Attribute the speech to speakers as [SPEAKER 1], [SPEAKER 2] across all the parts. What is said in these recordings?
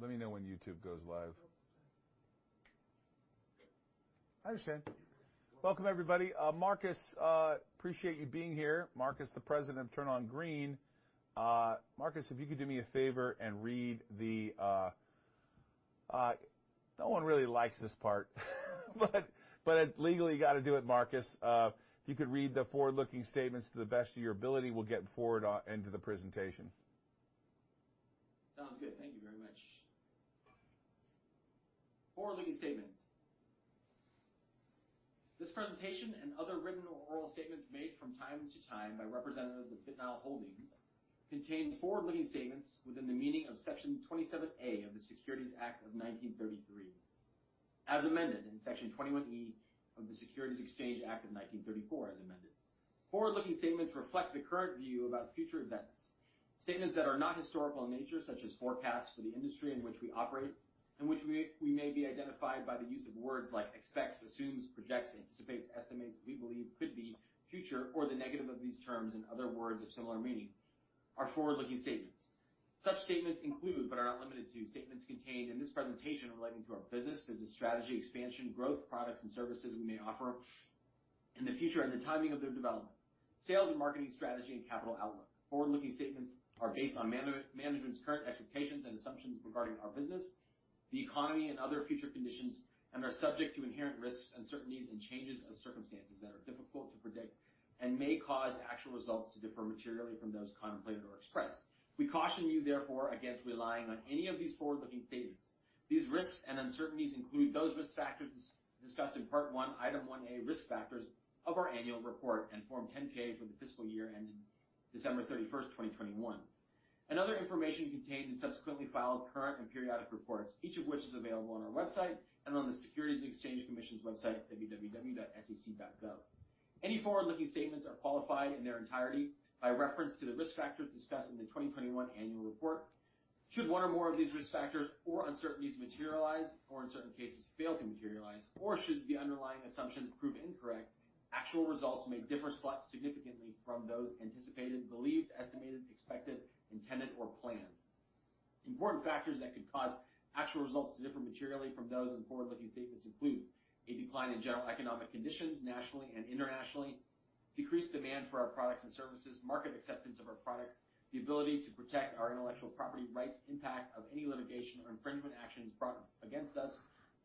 [SPEAKER 1] Let me know when YouTube goes live. Hi, Shane. Welcome, everybody. Marcus, appreciate you being here. Marcus, the President of TurnOnGreen. No one really likes this part, but legally, you gotta do it, Marcus. If you could read the forward-looking statements to the best of your ability, we'll move forward into the presentation.
[SPEAKER 2] Sounds good. Thank you very much. Forward-looking statements. This presentation and other written or oral statements made from time to time by representatives of Hyperscale Data, Inc. contain forward-looking statements within the meaning of Section 27A of the Securities Act of 1933, as amended, and Section 21E of the Securities Exchange Act of 1934, as amended. Forward-looking statements reflect the current view about future events. Statements that are not historical in nature, such as forecasts for the industry in which we operate, in which we may be identified by the use of words like expects, assumes, projects, anticipates, estimates, we believe, could be, future, or the negative of these terms, and other words of similar meaning, are forward-looking statements. Such statements include, but are not limited to, statements contained in this presentation relating to our business strategy, expansion, growth, products and services we may offer in the future and the timing of their development, sales and marketing strategy and capital outlook. Forward-looking statements are based on management's current expectations and assumptions regarding our business, the economy, and other future conditions, and are subject to inherent risks, uncertainties, and changes in circumstances that are difficult to predict and may cause actual results to differ materially from those contemplated or expressed. We caution you, therefore, against relying on any of these forward-looking statements. These risks and uncertainties include those risk factors discussed in Part I, Item 1A, Risk Factors of our annual report and Form 10-K for the fiscal year ending December 31st, 2021, and other information contained in subsequently filed current and periodic reports, each of which is available on our website and on the Securities and Exchange Commission's website, www.sec.gov. Any forward-looking statements are qualified in their entirety by reference to the risk factors discussed in the 2021 annual report. Should one or more of these risk factors or uncertainties materialize, or in certain cases fail to materialize, or should the underlying assumptions prove incorrect, actual results may differ significantly from those anticipated, believed, estimated, expected, intended or planned. Important factors that could cause actual results to differ materially from those in the forward-looking statements include a decline in general economic conditions nationally and internationally, decreased demand for our products and services, market acceptance of our products, the ability to protect our intellectual property rights, impact of any litigation or infringement actions brought against us,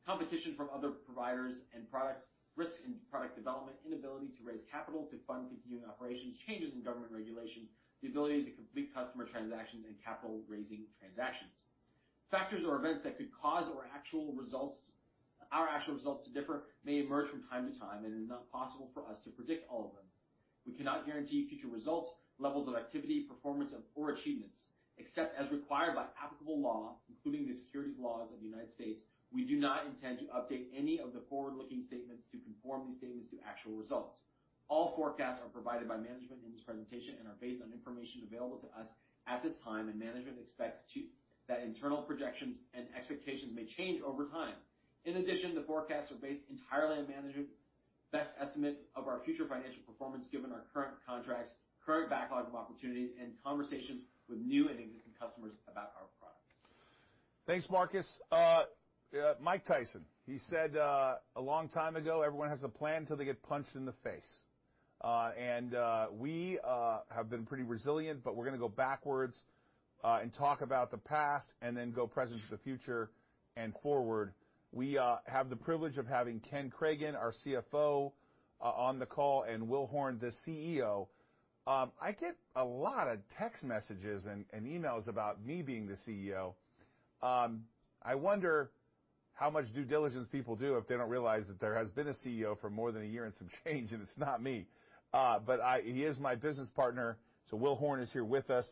[SPEAKER 2] competition from other providers and products, risk in product development, inability to raise capital to fund continuing operations, changes in government regulation, the ability to complete customer transactions and capital raising transactions. Factors or events that could cause our actual results to differ may emerge from time to time, and it is not possible for us to predict all of them. We cannot guarantee future results, levels of activity, performance, or achievements. Except as required by applicable law, including the securities laws of the United States, we do not intend to update any of the forward-looking statements to conform these statements to actual results. All forecasts are provided by management in this presentation and are based on information available to us at this time, and management expects that internal projections and expectations may change over time. In addition, the forecasts are based entirely on management's best estimate of our future financial performance given our current contracts, current backlog of opportunity, and conversations with new and existing customers about our products.
[SPEAKER 1] Thanks, Marcus. Mike Tyson, he said a long time ago, everyone has a plan till they get punched in the face. We have been pretty resilient, but we're gonna go backwards and talk about the past and then go present to the future and forward. We have the privilege of having Ken Cragun, our CFO, on the call, and William B. Horne, the CEO. I get a lot of text messages and emails about me being the CEO. I wonder how much due diligence people do if they don't realize that there has been a CEO for more than a year and some change, and it's not me. He is my business partner. William B. Horne is here with us.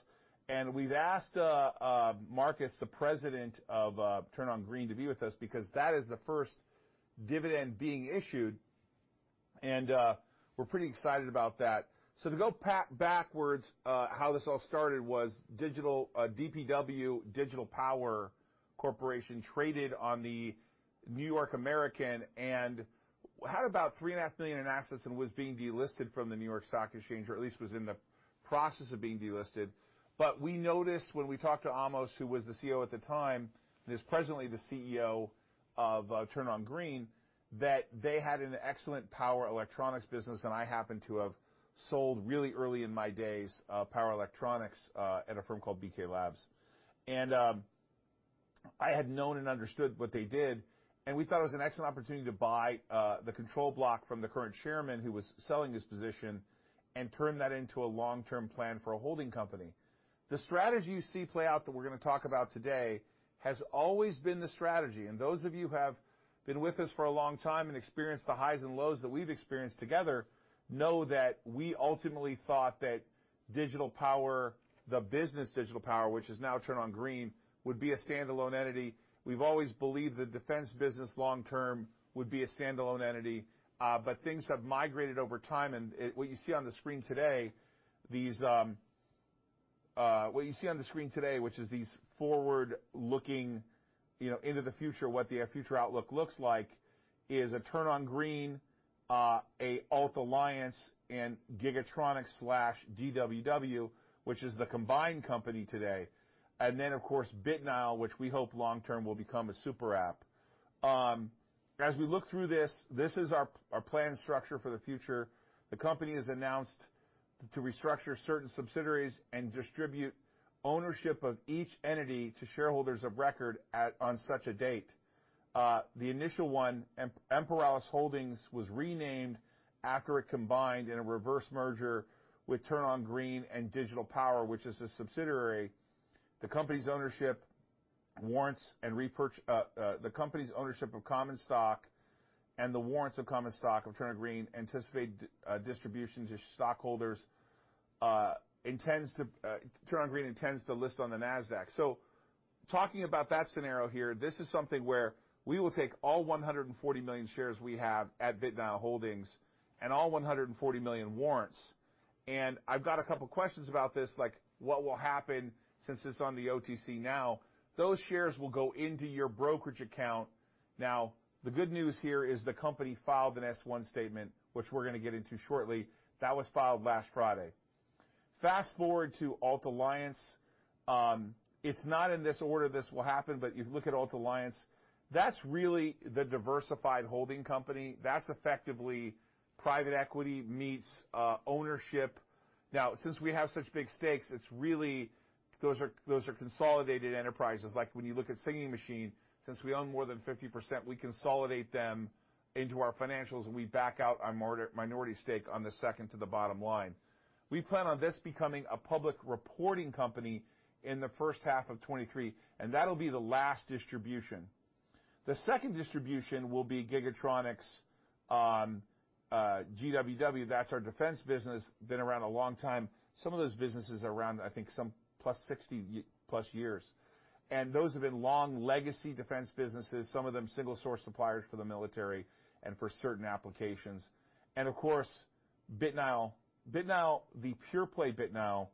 [SPEAKER 1] We've asked Marcus, the president of TurnOnGreen, to be with us because that is the first dividend being issued, and we're pretty excited about that. To go backwards, how this all started was digital DPW, Digital Power Corporation, traded on the NYSE American and had about $3.5 million in assets and was being delisted from the New York Stock Exchange, or at least was in the process of being delisted. We noticed when we talked to Amos, who was the CEO at the time, and is presently the CEO of TurnOnGreen, that they had an excellent power electronics business, and I happen to have sold really early in my days power electronics at a firm called BK Labs. I had known and understood what they did, and we thought it was an excellent opportunity to buy the control block from the current chairman, who was selling his position and turn that into a long-term plan for a holding company. The strategy you see play out that we're gonna talk about today has always been the strategy. Those of you who have been with us for a long time and experienced the highs and lows that we've experienced together know that we ultimately thought that Digital Power, the business Digital Power, which is now TurnOnGreen, would be a standalone entity. We've always believed the defense business long term would be a standalone entity. Things have migrated over time, and what you see on the screen today, which is these forward-looking. You know, into the future, what the future outlook looks like is a TurnOnGreen, a Ault Alliance and Giga-tronics slash DPW, which is the combined company today. Of course, BitNile, which we hope long-term will become a super app. As we look through this is our planned structure for the future. The company has announced to restructure certain subsidiaries and distribute ownership of each entity to shareholders of record on such a date. The initial one, Imperalis Holdings, was renamed after it combined in a reverse merger with TurnOnGreen and Digital Power, which is a subsidiary. The company's ownership warrants and repurchase. The company's ownership of common stock and the warrants of common stock of TurnOnGreen anticipate distributions to stockholders. TurnOnGreen intends to list on the Nasdaq. Talking about that scenario here, this is something where we will take all 140 million shares we have at BitNile Holdings and all 140 million warrants. I've got a couple questions about this, like what will happen since it's on the OTC now. Those shares will go into your brokerage account. Now, the good news here is the company filed an S-1 statement, which we're gonna get into shortly. That was filed last Friday. Fast-forward to Ault Alliance. It's not in this order this will happen, but you look at Ault Alliance, that's really the diversified holding company. That's effectively private equity meets ownership. Now, since we have such big stakes, it's really. Those are consolidated enterprises. Like when you look at Singing Machine, since we own more than 50%, we consolidate them into our financials, and we back out our minority stake on the second to the bottom line. We plan on this becoming a public reporting company in the first half of 2023, and that'll be the last distribution. The second distribution will be Giga-tronics, GWW. That's our defense business, been around a long time. Some of those businesses are around, I think, some plus sixty-plus years. Those have been long legacy defense businesses, some of them single-source suppliers for the military and for certain applications. Of course, BitNile. BitNile, the pure play BitNile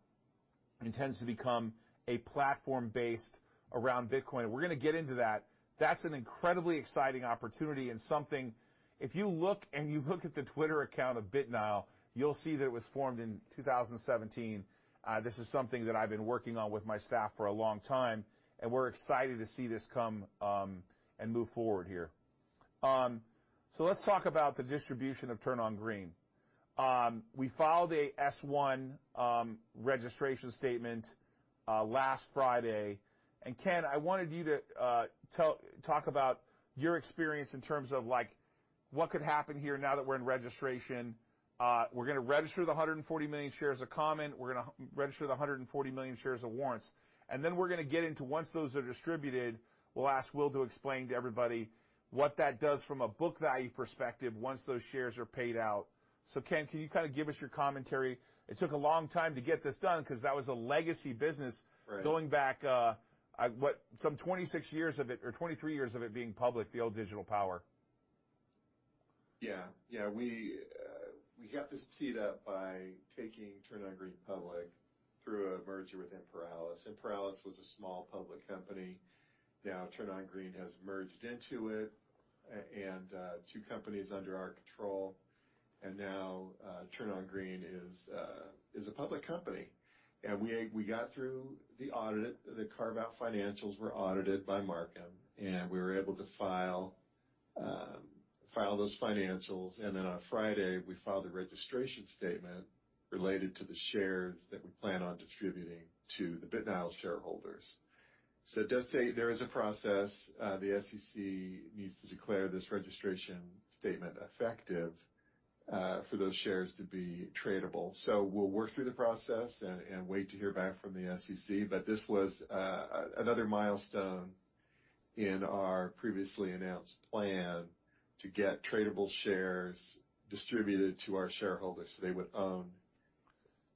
[SPEAKER 1] intends to become a platform based around Bitcoin. We're gonna get into that. That's an incredibly exciting opportunity and something. If you look at the Twitter account of BitNile, you'll see that it was formed in 2017. This is something that I've been working on with my staff for a long time, and we're excited to see this come and move forward here. So let's talk about the distribution of TurnOnGreen. We filed a S-1 registration statement last Friday. Ken, I wanted you to talk about your experience in terms of like what could happen here now that we're in registration. We're gonna register the 140 million shares of common. We're gonna register the 140 million shares of warrants. Then we're gonna get into once those are distributed, we'll ask Will to explain to everybody what that does from a book value perspective once those shares are paid out. Ken, can you kind of give us your commentary? It took a long time to get this done because that was a legacy business.
[SPEAKER 3] Right.
[SPEAKER 1] Going back some 26 years of it, or 23 years of it being public, the old Digital Power.
[SPEAKER 3] Yeah. Yeah. We got this teed up by taking TurnOnGreen public through a merger with Imperalis. Imperalis was a small public company. Now, TurnOnGreen has merged into it and two companies under our control. Now, TurnOnGreen is a public company. We got through the audit. The carve-out financials were audited by Marcum, and we were able to file those financials. Then on Friday, we filed a registration statement related to the shares that we plan on distributing to the BitNile shareholders. It does say there is a process, the SEC needs to declare this registration statement effective, for those shares to be tradable. We'll work through the process and wait to hear back from the SEC. This was another milestone in our previously announced plan to get tradable shares distributed to our shareholders so they would own.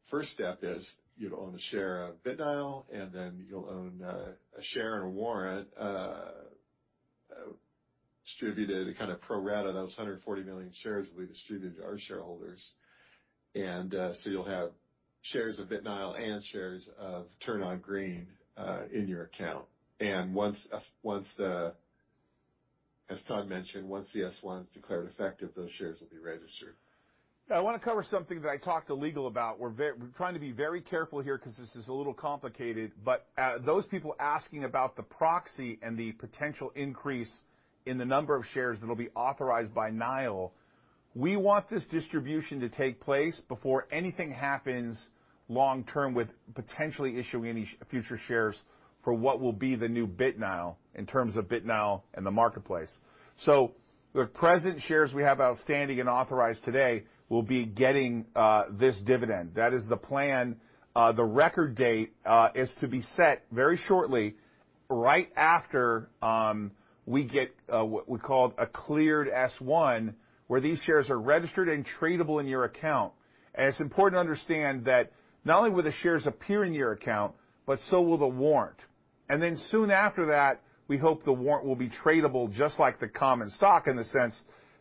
[SPEAKER 3] First step is you'd own a share of BitNile, and then you'll own a share and a warrant distributed kind of pro rata. Those 140 million shares will be distributed to our shareholders. So you'll have shares of BitNile and shares of TurnOnGreen in your account. As Todd mentioned, once the S-1 is declared effective, those shares will be registered.
[SPEAKER 1] Yeah. I wanna cover something that I talked to legal about. We're trying to be very careful here 'cause this is a little complicated. Those people asking about the proxy and the potential increase in the number of shares that'll be authorized by BitNile, we want this distribution to take place before anything happens long term with potentially issuing any future shares for what will be the new BitNile in terms of BitNile and the marketplace. The present shares we have outstanding and authorized today will be getting this dividend. That is the plan. The record date is to be set very shortly, right after we get what we call a cleared S-1, where these shares are registered and tradable in your account. It's important to understand that not only will the shares appear in your account, but so will the warrant. Then soon after that, we hope the warrant will be tradable just like the common stock in the sense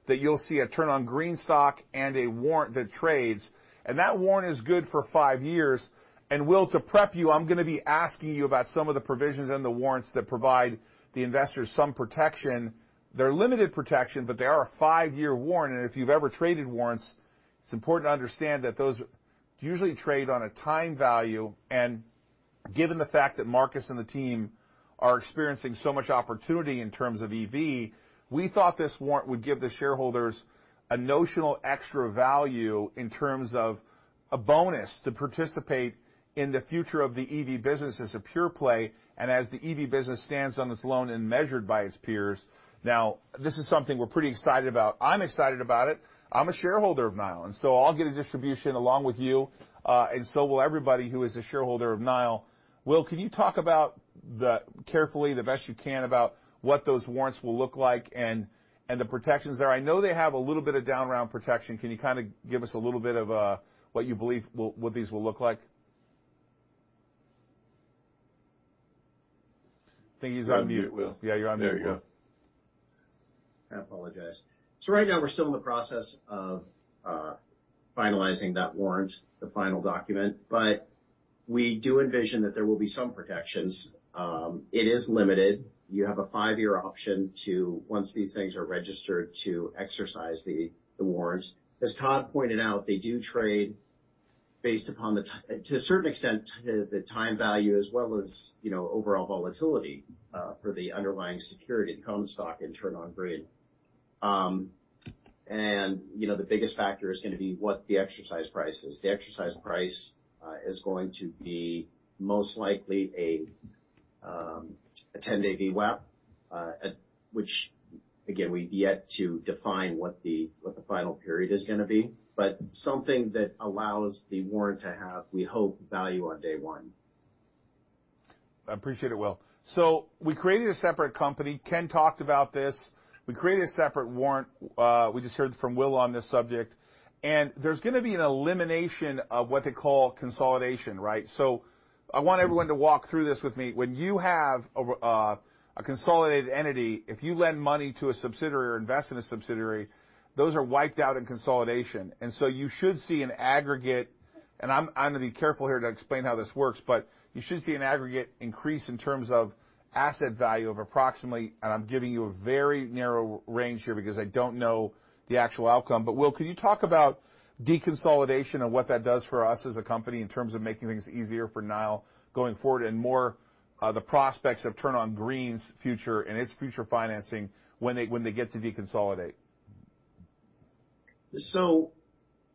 [SPEAKER 1] that you'll see a TurnOnGreen stock and a warrant that trades, and that warrant is good for five years. Will, to prep you, I'm gonna be asking you about some of the provisions and the warrants that provide the investors some protection. They're limited protection, but they are a five-year warrant. If you've ever traded warrants, it's important to understand that those usually trade on a time value. Given the fact that Marcus and the team are experiencing so much opportunity in terms of EV, we thought this warrant would give the shareholders a notional extra value in terms of a bonus to participate in the future of the EV business as a pure play and as the EV business stands alone and measured by its peers. Now, this is something we're pretty excited about. I'm excited about it. I'm a shareholder of BitNile, and so I'll get a distribution along with you, and so will everybody who is a shareholder of BitNile. Will, can you talk about carefully the best you can about what those warrants will look like and the protections there? I know they have a little bit of down round protection. Can you kinda give us a little bit of what these will look like? I think he's on mute, Will. Yeah, you're on mute, Will.
[SPEAKER 4] There you go. I apologize. Right now we're still in the process of finalizing that warrant, the final document, but we do envision that there will be some protections. It is limited. You have a five-year option to, once these things are registered, to exercise the warrants. As Todd pointed out, they do trade based upon, to a certain extent, the time value as well as, you know, overall volatility, for the underlying security and common stock in TurnOnGreen. You know, the biggest factor is gonna be what the exercise price is. The exercise price is going to be most likely a ten-day VWAP, which again, we've yet to define what the final period is gonna be, but something that allows the warrant to have, we hope, value on day one.
[SPEAKER 1] I appreciate it, Will. We created a separate company. Ken talked about this. We created a separate warrant, we just heard from Will on this subject, and there's gonna be an elimination of what they call consolidation, right? I want everyone to walk through this with me. When you have a consolidated entity, if you lend money to a subsidiary or invest in a subsidiary, those are wiped out in consolidation. You should see an aggregate, and I'm gonna be careful here to explain how this works, but you should see an aggregate increase in terms of asset value of approximately, and I'm giving you a very narrow range here because I don't know the actual outcome. Will, can you talk about deconsolidation and what that does for us as a company in terms of making things easier for BitNile going forward and more, the prospects of TurnOnGreen's future and its future financing when they get to deconsolidate?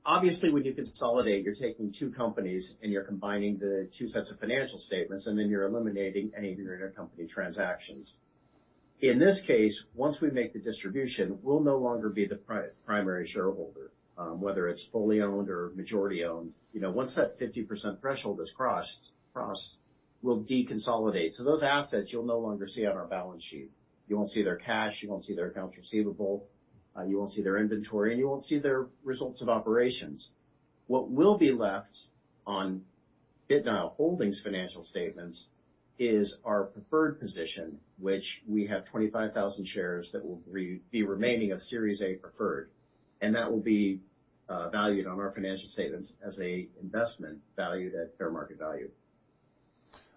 [SPEAKER 4] Obviously when you consolidate, you're taking two companies and you're combining the two sets of financial statements, and then you're eliminating any of your intercompany transactions. In this case, once we make the distribution, we'll no longer be the primary shareholder, whether it's fully owned or majority owned. You know, once that 50% threshold is crossed, we'll deconsolidate. Those assets you'll no longer see on our balance sheet. You won't see their cash, you won't see their accounts receivable, you won't see their inventory, and you won't see their results of operations. What will be left on BitNile Holdings financial statements is our preferred position, which we have 25,000 shares that will be remaining of Series A preferred, and that will be valued on our financial statements as an investment valued at fair market value.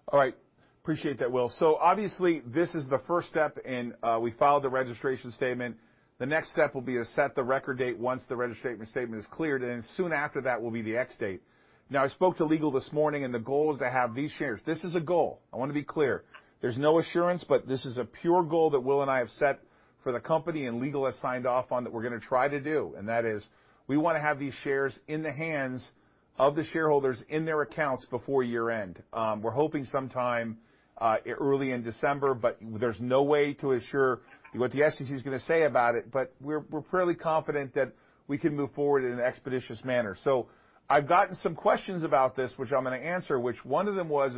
[SPEAKER 1] All right. Appreciate that, Will. Obviously this is the first step, and we filed the registration statement. The next step will be to set the record date once the registration statement is cleared, and soon after that will be the ex-date. Now, I spoke to legal this morning, and the goal is to have these shares. This is a goal. I wanna be clear. There's no assurance, but this is a pure goal that Will and I have set for the company and legal has signed off on that we're gonna try to do, and that is we wanna have these shares in the hands of the shareholders in their accounts before year-end. We're hoping sometime early in December, but there's no way to assure what the SEC is gonna say about it, but we're fairly confident that we can move forward in an expeditious manner. I've gotten some questions about this, which I'm gonna answer, which one of them was,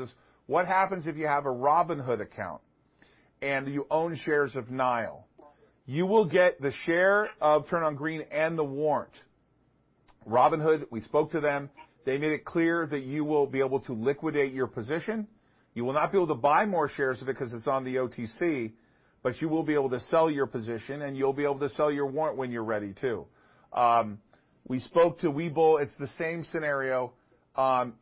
[SPEAKER 1] what happens if you have a Robinhood account and you own shares of BitNile? You will get the share of TurnOnGreen and the warrant. Robinhood, we spoke to them. They made it clear that you will be able to liquidate your position. You will not be able to buy more shares because it's on the OTC, but you will be able to sell your position, and you'll be able to sell your warrant when you're ready too. We spoke to Webull. It's the same scenario.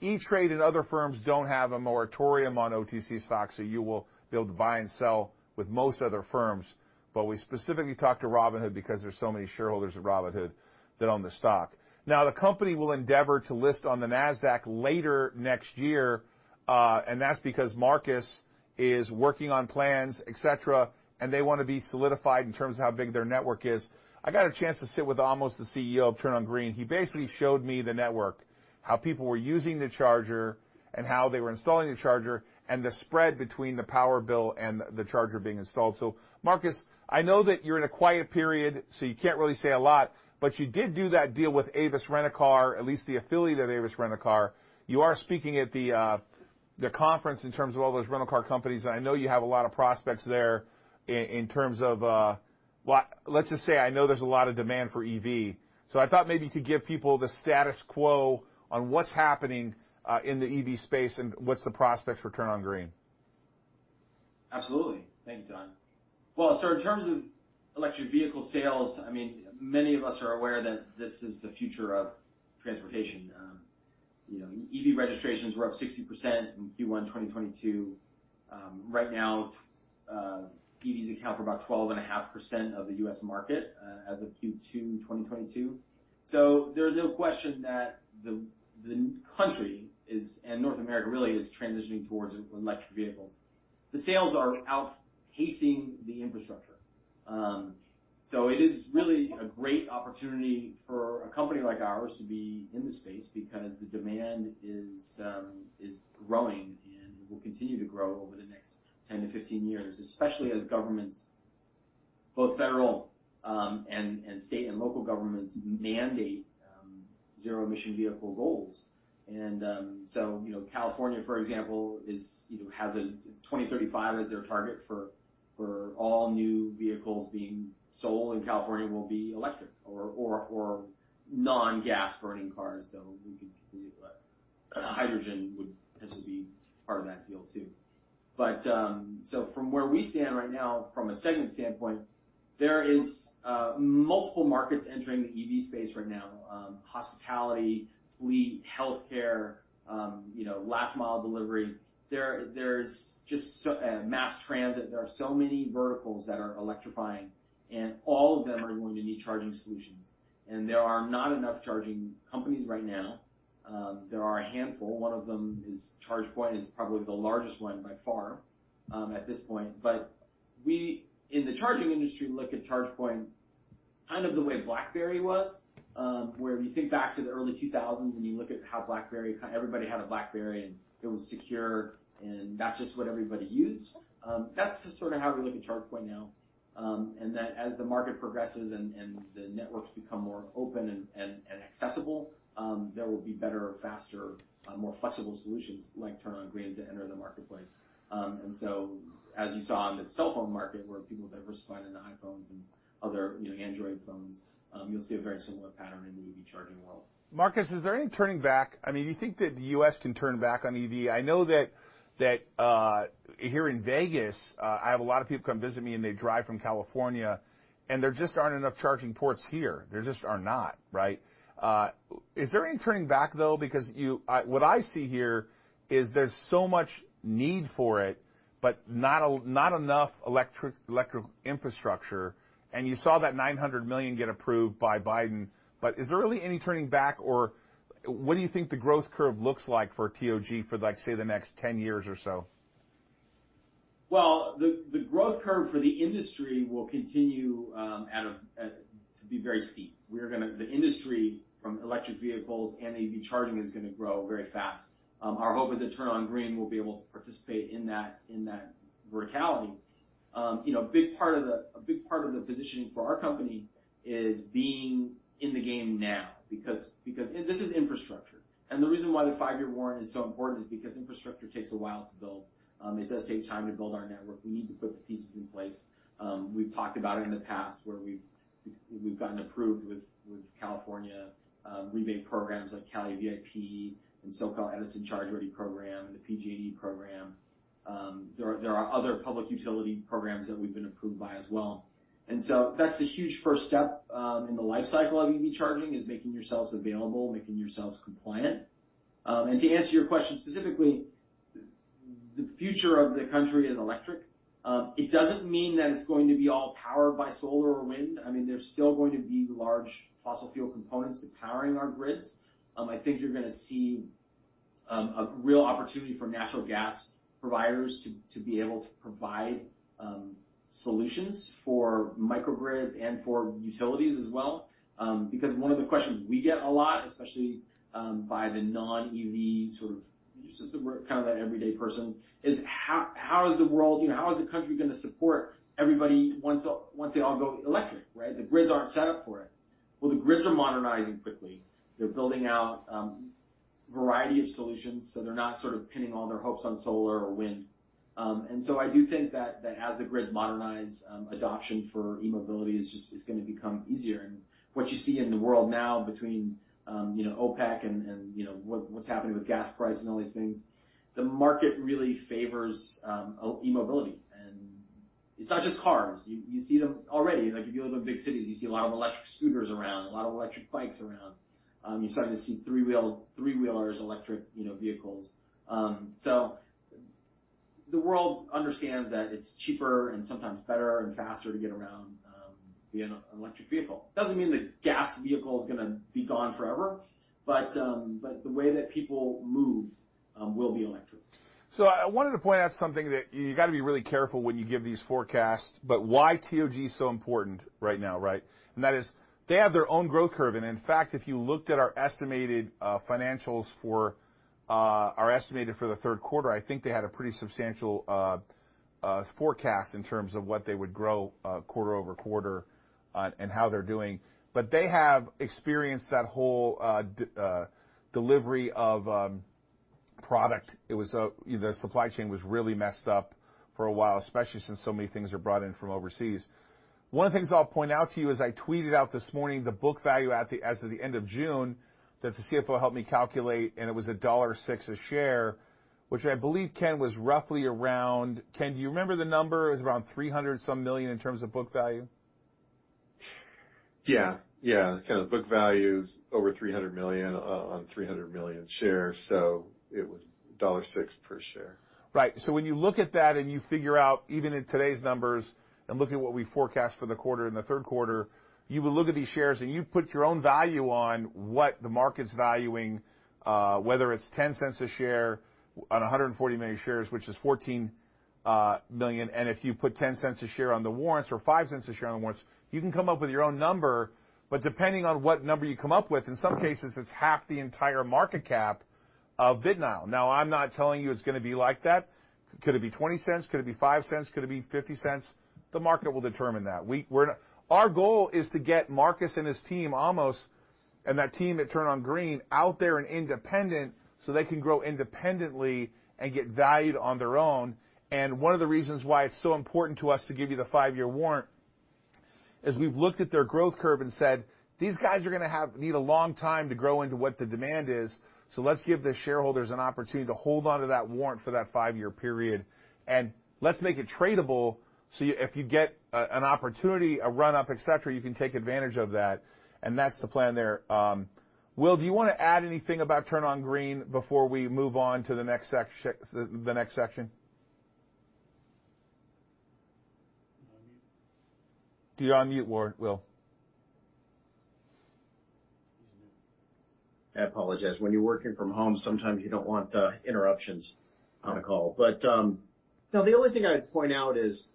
[SPEAKER 1] E*TRADE and other firms don't have a moratorium on OTC stocks, so you will be able to buy and sell with most other firms. We specifically talked to Robinhood because there's so many shareholders of Robinhood that own the stock. Now, the company will endeavor to list on the Nasdaq later next year, and that's because Marcus is working on plans, et cetera, and they wanna be solidified in terms of how big their network is. I got a chance to sit with Amos, the CEO of TurnOnGreen. He basically showed me the network, how people were using the charger and how they were installing the charger, and the spread between the power bill and the charger being installed. Marcus, I know that you're in a quiet period, so you can't really say a lot, but you did do that deal with Avis Rent a Car, at least the affiliate of Avis Rent a Car. You are speaking at the conference in terms of all those rental car companies, and I know you have a lot of prospects there in terms of, let's just say I know there's a lot of demand for EV. I thought maybe you could give people the status quo on what's happening in the EV space and what's the prospects for TurnOnGreen.
[SPEAKER 2] Absolutely. Thank you, milton. Well, in terms of electric vehicle sales, I mean, many of us are aware that this is the future of transportation. You know, EV registrations were up 60% in Q1 2022. Right now, EVs account for about 12.5% of the U.S. market, as of Q2 2022. There is no question that the country is, and North America really is transitioning towards electric vehicles. The sales are outpacing the infrastructure. It is really a great opportunity for a company like ours to be in the space because the demand is growing and will continue to grow over the next 10 years-15 years, especially as governments, both federal, and state and local governments mandate zero emission vehicle goals. You know, California, for example, you know, has 2035 as their target for all new vehicles being sold in California will be electric or non-gas burning cars. We could leave that. Hydrogen would potentially be part of that deal too. From where we stand right now, from a segment standpoint, there is multiple markets entering the EV space right now, hospitality, fleet, healthcare, you know, last mile delivery. Mass transit. There are so many verticals that are electrifying, and all of them are going to need charging solutions. There are not enough charging companies right now. There are a handful. One of them is ChargePoint is probably the largest one by far, at this point. We in the charging industry look at ChargePoint kind of the way BlackBerry was, where if you think back to the early 2000s and you look at how BlackBerry, everybody had a BlackBerry and it was secure, and that's just what everybody used. That's just sort of how we look at ChargePoint now, and that as the market progresses and accessible, there will be better, faster, more flexible solutions like TurnOnGreen to enter the marketplace. As you saw in the cell phone market where people diversified into iPhones and other, you know, Android phones, you'll see a very similar pattern in the EV charging world.
[SPEAKER 1] Marcus, is there any turning back? I mean, you think that the U.S. can turn back on EV? I know that here in Vegas, I have a lot of people come visit me and they drive from California, and there just aren't enough charging ports here. There just are not, right? Is there any turning back, though? Because what I see here is there's so much need for it, but not enough electric infrastructure. You saw that $900 million get approved by Biden. Is there really any turning back or what do you think the growth curve looks like for TOG for, like, say, the next 10 years or so?
[SPEAKER 2] Well, the growth curve for the industry will continue to be very steep. The industry from electric vehicles and EV charging is gonna grow very fast. Our hope is that TurnOnGreen will be able to participate in that verticality. You know, a big part of the positioning for our company is being in the game now because this is infrastructure. The reason why the five-year warrant is so important is because infrastructure takes a while to build. It does take time to build our network. We need to put the pieces in place. We've talked about it in the past where we've gotten approved with California rebate programs like CALeVIP and SoCal Edison Charge Ready program, the PG&E program. There are other public utility programs that we've been approved by as well. That's a huge first step in the life cycle of EV charging, is making yourselves available, making yourselves compliant. To answer your question specifically, the future of the country is electric. It doesn't mean that it's going to be all powered by solar or wind. I mean, there's still going to be large fossil fuel components to powering our grids. I think you're gonna see a real opportunity for natural gas providers to be able to provide solutions for microgrids and for utilities as well. Because one of the questions we get a lot, especially, by the non-EV sort of, we'll use as the word, kind of the everyday person, is how is the world, you know, how is the country gonna support everybody once they all go electric, right? The grids aren't set up for it. Well, the grids are modernizing quickly. They're building out a variety of solutions, so they're not sort of pinning all their hopes on solar or wind. I do think that as the grids modernize, adoption for e-mobility is just gonna become easier. What you see in the world now between, you know, OPEC and, you know, what's happening with gas prices and all these things, the market really favors e-mobility. It's not just cars. You see them already. Like, if you live in big cities, you see a lot of electric scooters around, a lot of electric bikes around. You're starting to see three-wheelers, electric, you know, vehicles. The world understands that it's cheaper and sometimes better and faster to get around in an electric vehicle. Doesn't mean the gas vehicle is gonna be gone forever, but the way that people move will be electric.
[SPEAKER 1] I wanted to point out something that you gotta be really careful when you give these forecasts, but why TOG is so important right now, right? That is they have their own growth curve. In fact, if you looked at our estimated financials for the third quarter, I think they had a pretty substantial forecast in terms of what they would grow quarter-over-quarter and how they're doing. They have experienced that whole delivery of product. It was, you know, the supply chain was really messed up for a while, especially since so many things are brought in from overseas. One of the things I'll point out to you is I tweeted out this morning the book value as of the end of June that the CFO helped me calculate, and it was $1.06 a share, which I believe, Ken, was roughly around. Ken, do you remember the number? It was around $300 million in terms of book value.
[SPEAKER 3] Yeah. The kind of book value is over $300 million on 300 million shares, so it was $6 per share.
[SPEAKER 1] Right. When you look at that and you figure out even in today's numbers and look at what we forecast for the quarter, in the third quarter, you will look at these shares and you put your own value on what the market's valuing, whether it's $0.10 a share on 140 million shares, which is $14 million. If you put $0.10 a share on the warrants or $0.05 a share on the warrants, you can come up with your own number. Depending on what number you come up with, in some cases it's half the entire market cap of BitNile. Now, I'm not telling you it's gonna be like that. Could it be $0.20? Could it be $0.05? Could it be $0.50? The market will determine that. We're not. Our goal is to get Marcus and his team, Amos, and that team at TurnOnGreen out there and independent so they can grow independently and get valued on their own. One of the reasons why it's so important to us to give you the five-year warrant is we've looked at their growth curve and said, "These guys are gonna need a long time to grow into what the demand is, so let's give the shareholders an opportunity to hold onto that warrant for that five-year period, and let's make it tradable so if you get an opportunity, a run-up, et cetera, you can take advantage of that." That's the plan there. Will, do you wanna add anything about TurnOnGreen before we move on to the next section? You're on mute. You're on mute, William B. Horne.
[SPEAKER 4] He's mute. I apologize. When you're working from home, sometimes you don't want interruptions on a call. No, the only thing I'd point out is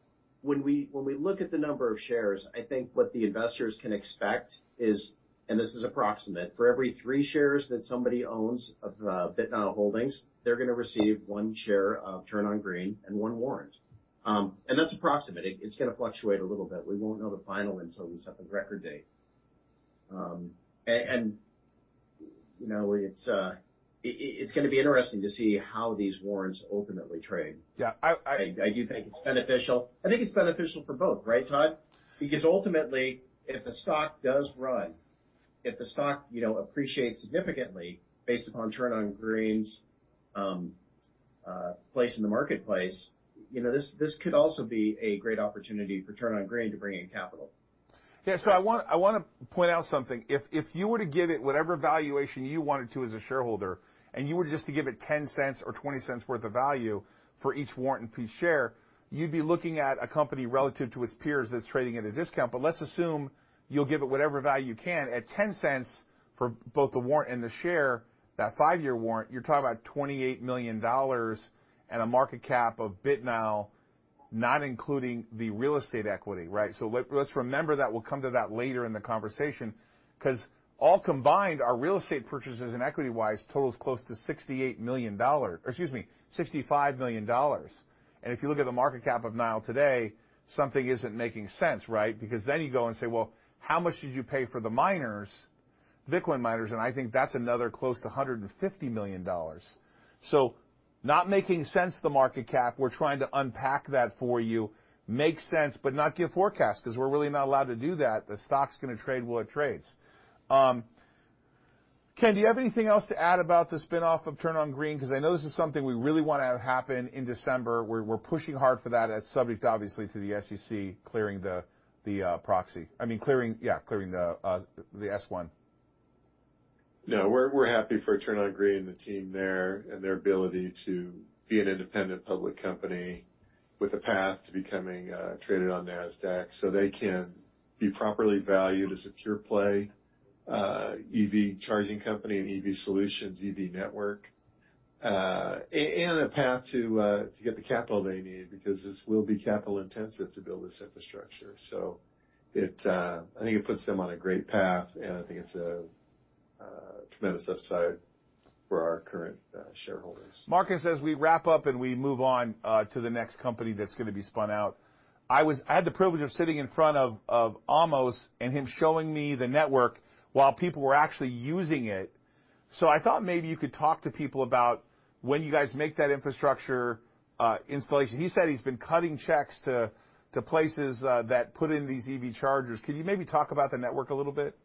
[SPEAKER 4] when we look at the number of shares, I think what the investors can expect is, and this is approximate, for every 3 shares that somebody owns of BitNile Holdings, they're gonna receive 1 share of TurnOnGreen and 1 warrant. And that's approximate. It's gonna fluctuate a little bit. We won't know the final until we set the record date. And you know, it's gonna be interesting to see how these warrants ultimately trade.
[SPEAKER 1] Yeah. I
[SPEAKER 4] I do think it's beneficial. I think it's beneficial for both, right, Todd? Ultimately, if the stock does run, you know, appreciates significantly based upon TurnOnGreen's place in the marketplace, you know, this could also be a great opportunity for TurnOnGreen to bring in capital.
[SPEAKER 1] Yeah. I want to point out something. If you were to give it whatever valuation you wanted to as a shareholder, and you were just to give it $0.10 or $0.20 worth of value for each warrant and per share, you'd be looking at a company relative to its peers that's trading at a discount. Let's assume you'll give it whatever value you can. At $0.10 for both the warrant and the share, that five-year warrant, you're talking about $28 million and a market cap of BitNile, not including the real estate equity, right? Let's remember that. We'll come to that later in the conversation. Because all combined, our real estate purchases and equity-wise totals close to $68 million, or excuse me, $65 million. If you look at the market cap of BitNile today, something isn't making sense, right? Because then you go and say, "Well, how much did you pay for the miners, Bitcoin miners?" I think that's another close to $150 million. So not making sense, the market cap. We're trying to unpack that for you. Make sense, but not give forecast 'cause we're really not allowed to do that. The stock's gonna trade what it trades. Ken, do you have anything else to add about the spin-off of TurnOnGreen? 'Cause I know this is something we really wanna have happen in December. We're pushing hard for that as subject, obviously, to the SEC clearing the proxy. I mean, clearing the S-1.
[SPEAKER 3] No. We're happy for TurnOnGreen and the team there and their ability to be an independent public company with a path to becoming traded on Nasdaq, so they can be properly valued as a pure play EV charging company and EV solutions, EV network, and a path to get the capital they need, because this will be capital intensive to build this infrastructure. I think it puts them on a great path, and I think it's a tremendous upside for our current shareholders.
[SPEAKER 1] Marcus, as we wrap up and we move on to the next company that's gonna be spun out, I had the privilege of sitting in front of Amos and him showing me the network while people were actually using it. I thought maybe you could talk to people about when you guys make that infrastructure installation. He said he's been cutting checks to places that put in these EV chargers. Can you maybe talk about the network a little bit?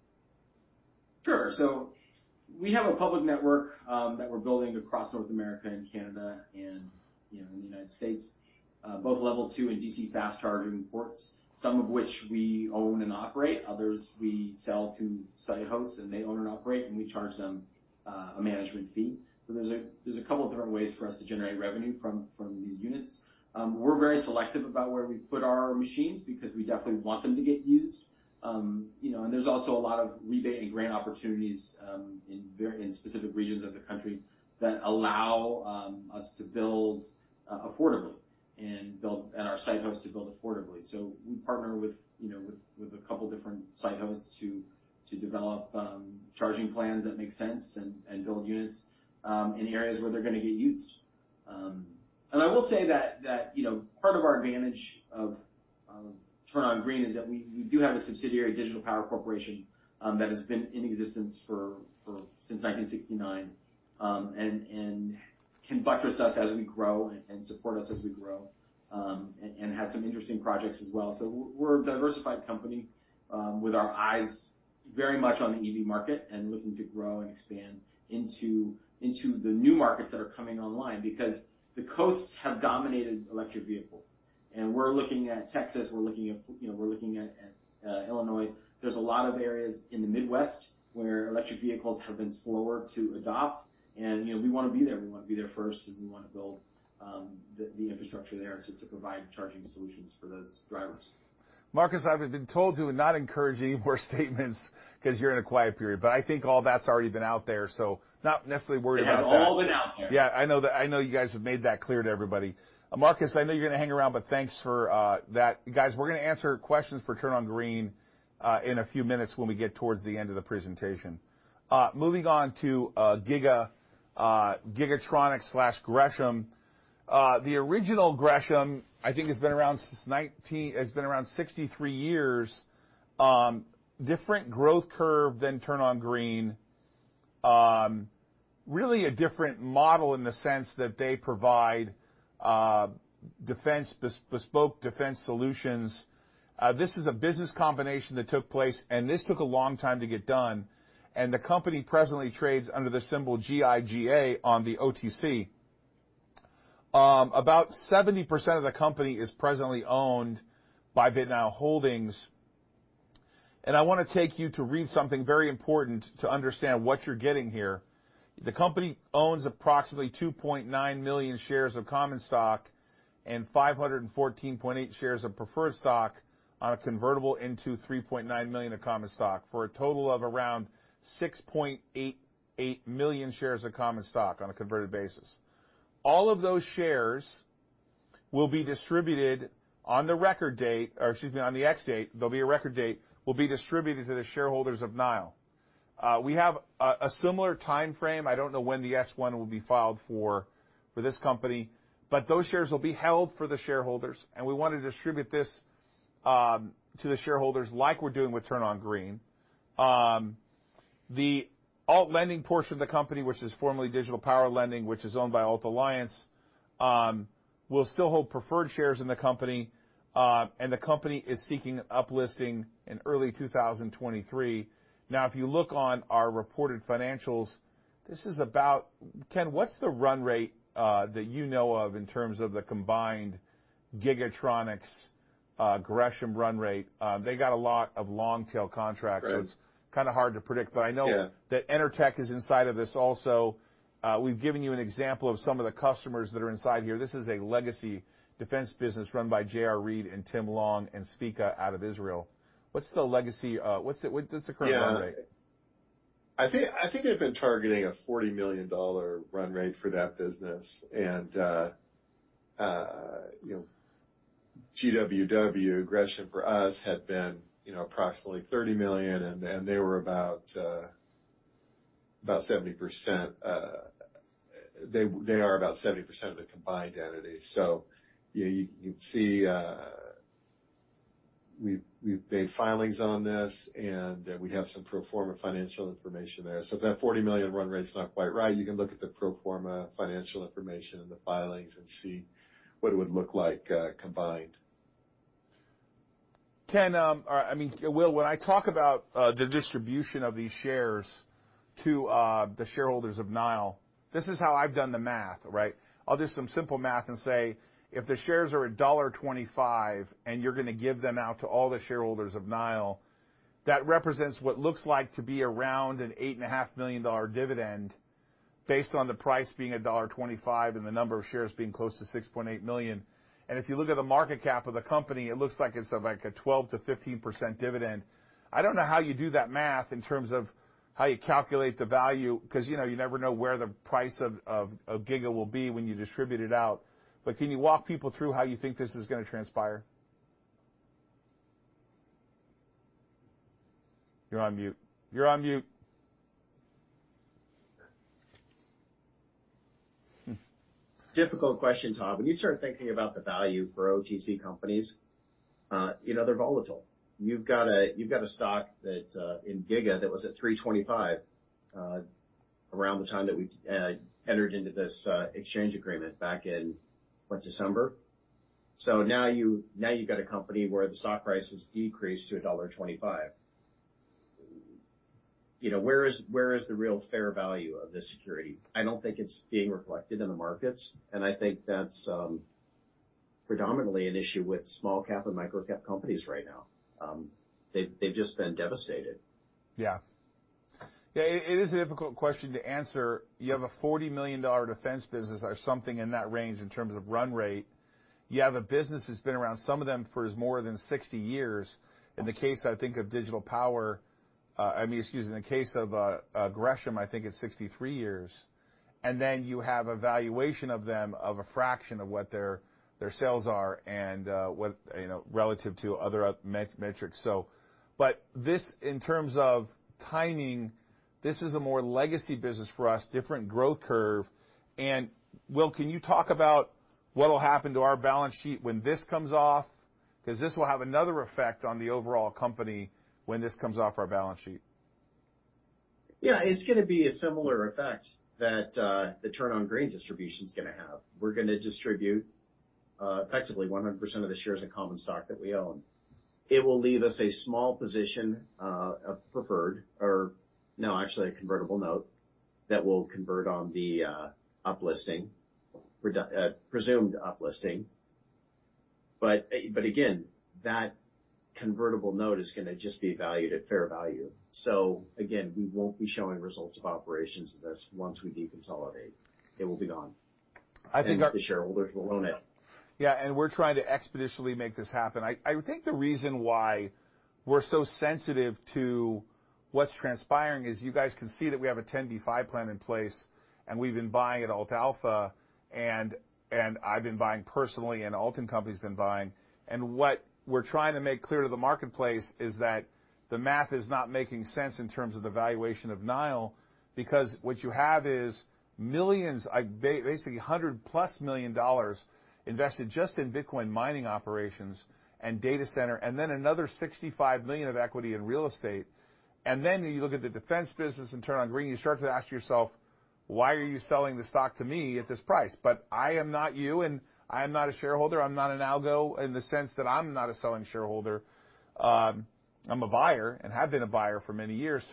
[SPEAKER 2] Sure. We have a public network that we're building across North America and Canada and, you know, in the United States, both level two and DC fast charging ports, some of which we own and operate, others we sell to site hosts, and they own and operate, and we charge them a management fee. There's a couple different ways for us to generate revenue from these units. We're very selective about where we put our machines because we definitely want them to get used. You know, and there's also a lot of rebate and grant opportunities in specific regions of the country that allow us to build affordably and our site hosts to build affordably. We partner with, you know, with a couple different site hosts to develop charging plans that make sense and build units in areas where they're gonna get used. I will say that, you know, part of our advantage of TurnOnGreen is that we do have a subsidiary, Digital Power Corporation, that has been in existence since 1969, and can buttress us as we grow and support us as we grow, and have some interesting projects as well. We're a diversified company, with our eyes very much on the EV market and looking to grow and expand into the new markets that are coming online because the coasts have dominated electric vehicles. We're looking at Texas, you know, Illinois. There's a lot of areas in the Midwest where electric vehicles have been slower to adopt. You know, we wanna be there. We wanna be there first, and we wanna build the infrastructure there to provide charging solutions for those drivers.
[SPEAKER 1] Marcus, I've been told to not encourage any more statements 'cause you're in a quiet period, but I think all that's already been out there, so not necessarily worried about that.
[SPEAKER 2] It has all been out there.
[SPEAKER 1] Yeah, I know that. I know you guys have made that clear to everybody. Marcus, I know you're gonna hang around, but thanks for that. Guys, we're gonna answer questions for TurnOnGreen in a few minutes when we get towards the end of the presentation. Moving on to Giga-tronics/Gresham. The original Gresham, I think, has been around 63 years. Different growth curve than TurnOnGreen. Really a different model in the sense that they provide bespoke defense solutions. This is a business combination that took place, and this took a long time to get done. The company presently trades under the symbol GIGA on the OTC. About 70% of the company is presently owned by Vidnow Holdings. I wanna take you to read something very important to understand what you're getting here. The company owns approximately 2.9 million shares of common stock and 514.8 shares of preferred stock on a convertible into 3.9 million of common stock, for a total of around 6.88 million shares of common stock on a converted basis. All of those shares will be distributed on the ex-date, there'll be a record date, will be distributed to the shareholders of BitNile. We have a similar timeframe. I don't know when the S-1 will be filed for this company, but those shares will be held for the shareholders, and we wanna distribute this to the shareholders like we're doing with TurnOnGreen. The Ault Lending portion of the company, which is formerly Digital Power Lending, which is owned by Ault Alliance, will still hold preferred shares in the company, and the company is seeking up-listing in early 2023. Now, if you look on our reported financials, Ken, what's the run rate that you know of in terms of the combined Giga-tronics, Gresham run rate? They got a lot of long-tail contracts.
[SPEAKER 3] Right.
[SPEAKER 1] It's kinda hard to predict.
[SPEAKER 3] Yeah.
[SPEAKER 1] I know that Enertec is inside of this also. We've given you an example of some of the customers that are inside here. This is a legacy defense business run by J.R. Reed and Tim Long and Spike out of Israel. What's the legacy, what's the current run rate?
[SPEAKER 3] Yeah. I think they've been targeting a $40 million run rate for that business. You know, GWW, Gresham for us, had been you know, approximately $30 million, and they were about 70%. They are about 70% of the combined entity. You know, you can see we've made filings on this, and we have some pro forma financial information there. If that $40 million run rate's not quite right, you can look at the pro forma financial information in the filings and see what it would look like combined.
[SPEAKER 1] Ken, Will, when I talk about the distribution of these shares to the shareholders of BitNile, this is how I've done the math, right? I'll do some simple math and say, if the shares are $1.25, and you're gonna give them out to all the shareholders of BitNile, that represents what looks like to be around a $8.5 million dividend based on the price being $1.25 and the number of shares being close to 6.8 million. If you look at the market cap of the company, it looks like it's, like, a 12%-15% dividend. I don't know how you do that math in terms of how you calculate the value because, you know, you never know where the price of Giga-tronics will be when you distribute it out. Can you walk people through how you think this is gonna transpire? You're on mute. You're on mute.
[SPEAKER 4] Difficult question, Todd. When you start thinking about the value for OTC companies, you know, they're volatile. You've got a stock that in Giga-tronics that was at $3.25 around the time that we entered into this exchange agreement back in, what, December. Now you've got a company where the stock price has decreased to $1.25. You know, where is the real fair value of this security? I don't think it's being reflected in the markets, and I think that's predominantly an issue with small-cap and micro-cap companies right now. They've just been devastated.
[SPEAKER 1] Yeah, it is a difficult question to answer. You have a $40 million defense business or something in that range in terms of run rate. You have a business that's been around, some of them for more than 60 years. In the case, I think, of Digital Power, I mean, excuse me, in the case of Gresham, I think it's 63 years. Then you have a valuation of them of a fraction of what their sales are and, what, you know, relative to other metrics. But this, in terms of timing, this is a more legacy business for us, different growth curve. Will, can you talk about what'll happen to our balance sheet when this comes off? 'Cause this will have another effect on the overall company when this comes off our balance sheet.
[SPEAKER 4] Yeah, it's gonna be a similar effect that the TurnOnGreen distribution's gonna have. We're gonna distribute effectively 100% of the shares of common stock that we own. It will leave us a small position, actually a convertible note that will convert on the presumed up listing. But again, that convertible note is gonna just be valued at fair value. So again, we won't be showing results of operations of this once we deconsolidate. It will be gone.
[SPEAKER 1] I think our
[SPEAKER 4] The shareholders will own it.
[SPEAKER 1] Yeah, we're trying to expeditiously make this happen. I think the reason why we're so sensitive to what's transpiring is you guys can see that we have a 10b5-1 plan in place, and we've been buying at Ault Alpha Capital, and I've been buying personally and Ault and Company's been buying. What we're trying to make clear to the marketplace is that the math is not making sense in terms of the valuation of BitNile, because what you have is millions, basically $100+ million invested just in Bitcoin mining operations and data center, and then another $65 million of equity in real estate. Then you look at the defense business in TurnOnGreen, you start to ask yourself, "Why are you selling the stock to me at this price?" I am not you, and I'm not a shareholder. I'm not an affiliate in the sense that I'm not a selling shareholder. I'm a buyer and have been a buyer for many years.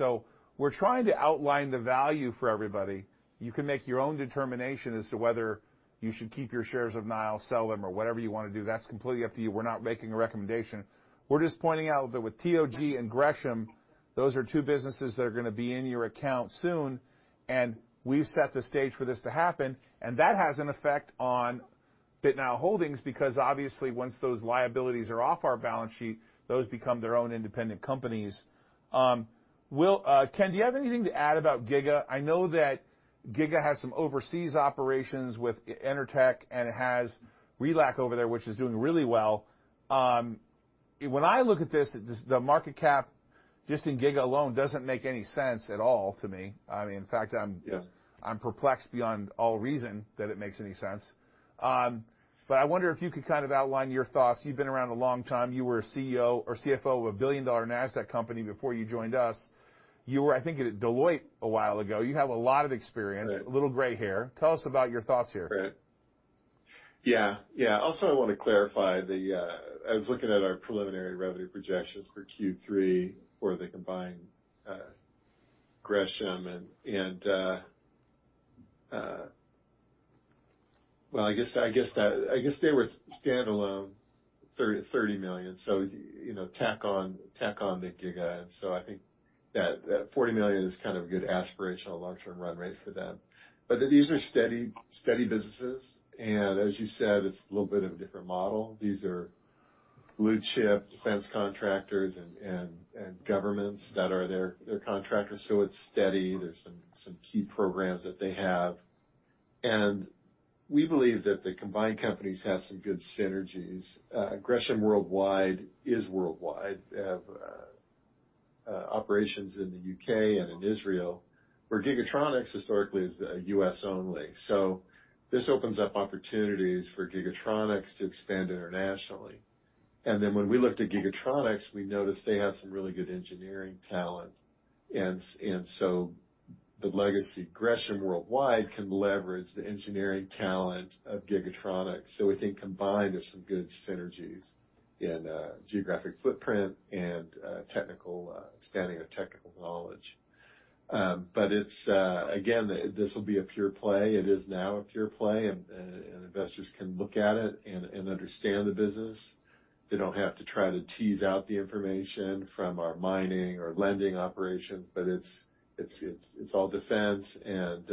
[SPEAKER 1] We're trying to outline the value for everybody. You can make your own determination as to whether you should keep your shares of BitNile, sell them or whatever you wanna do. That's completely up to you. We're not making a recommendation. We're just pointing out that with TOG and Gresham, those are two businesses that are gonna be in your account soon, and we've set the stage for this to happen. That has an effect on BitNile Holdings because obviously once those liabilities are off our balance sheet, those become their own independent companies. Will, Ken, do you have anything to add about Giga? I know that Giga-tronics has some overseas operations with Enertec, and it has Relec over there, which is doing really well. When I look at this, the market cap just in Giga-tronics alone doesn't make any sense at all to me. I mean, in fact,
[SPEAKER 4] Yeah.
[SPEAKER 1] I'm perplexed beyond all reason that it makes any sense. I wonder if you could kind of outline your thoughts. You've been around a long time. You were a CEO or CFO of a billion-dollar Nasdaq company before you joined us. You were, I think, at Deloitte a while ago. You have a lot of experience.
[SPEAKER 3] Right.
[SPEAKER 1] A little gray hair. Tell us about your thoughts here.
[SPEAKER 3] Right. Yeah. Yeah. Also, I want to clarify. I was looking at our preliminary revenue projections for Q3 for the combined Gresham and Giga-tronics. I guess they were standalone $30 million. You know, tack on the Giga-tronics. I think that $40 million is kind of a good aspirational long-term run rate for them. These are steady businesses, and as you said, it's a little bit of a different model. These are blue chip defense contractors and governments that are their contractors, so it's steady. There are some key programs that they have. We believe that the combined companies have some good synergies. Gresham Worldwide is worldwide. They have operations in the U.K. and in Israel. Giga-tronics historically is U.S. only. This opens up opportunities for Giga-tronics to expand internationally. Then when we looked at Giga-tronics, we noticed they have some really good engineering talent. The legacy Gresham Worldwide can leverage the engineering talent of Giga-tronics. We think combined, there's some good synergies in geographic footprint and technical expanding of technical knowledge. But it's again, this will be a pure play. It is now a pure play, and investors can look at it and understand the business. They don't have to try to tease out the information from our mining or lending operations, but it's all defense and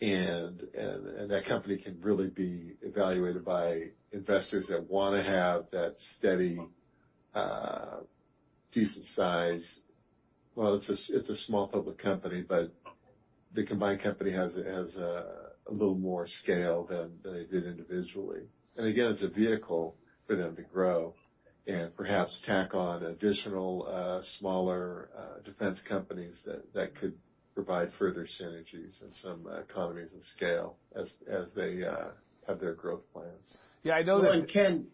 [SPEAKER 3] that company can really be evaluated by investors that wanna have that steady decent size. Well, it's a small public company, but the combined company has a little more scale than it did individually. Again, it's a vehicle for them to grow and perhaps tack on additional smaller defense companies that could provide further synergies and some economies of scale as they have their growth plans.
[SPEAKER 1] Yeah, I know that.
[SPEAKER 4] Well, Ken.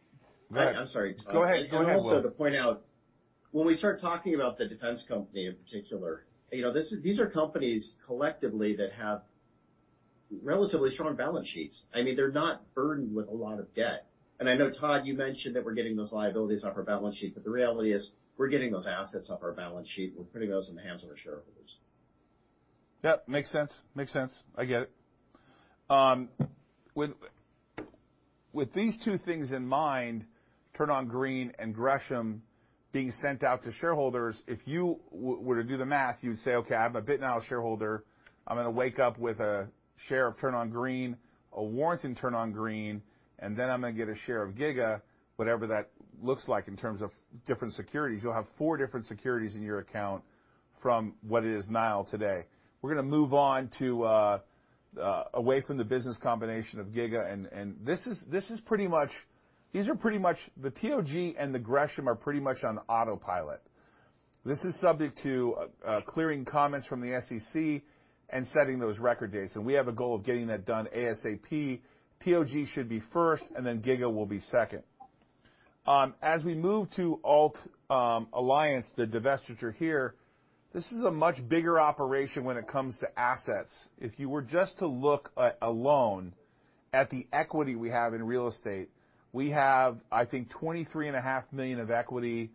[SPEAKER 1] Go ahead.
[SPEAKER 4] I'm sorry, Todd.
[SPEAKER 1] Go ahead. Go ahead, Will.
[SPEAKER 4] Also to point out, when we start talking about the defense company in particular, you know, these are companies collectively that have relatively strong balance sheets. I mean, they're not burdened with a lot of debt. I know, Todd, you mentioned that we're getting those liabilities off our balance sheet, but the reality is we're getting those assets off our balance sheet. We're putting those in the hands of our shareholders.
[SPEAKER 1] Yep. Makes sense. I get it. With these two things in mind, TurnOnGreen and Gresham being sent out to shareholders, if you were to do the math, you'd say, "Okay, I'm a BitNile shareholder. I'm gonna wake up with a share of TurnOnGreen, a warrant in TurnOnGreen, and then I'm gonna get a share of Giga-tronics," whatever that looks like in terms of different securities. You'll have four different securities in your account from what is BitNile today. We're gonna move on, away from the business combination of Giga-tronics, and this is pretty much. These are pretty much the TOG and the Gresham on autopilot. This is subject to clearing comments from the SEC and setting those record dates, and we have a goal of getting that done ASAP. TOG should be first, and then Giga will be second. As we move to Ault Alliance, the divestiture here, this is a much bigger operation when it comes to assets. If you were just to look alone at the equity we have in real estate, we have, I think, 23.5 Million of equity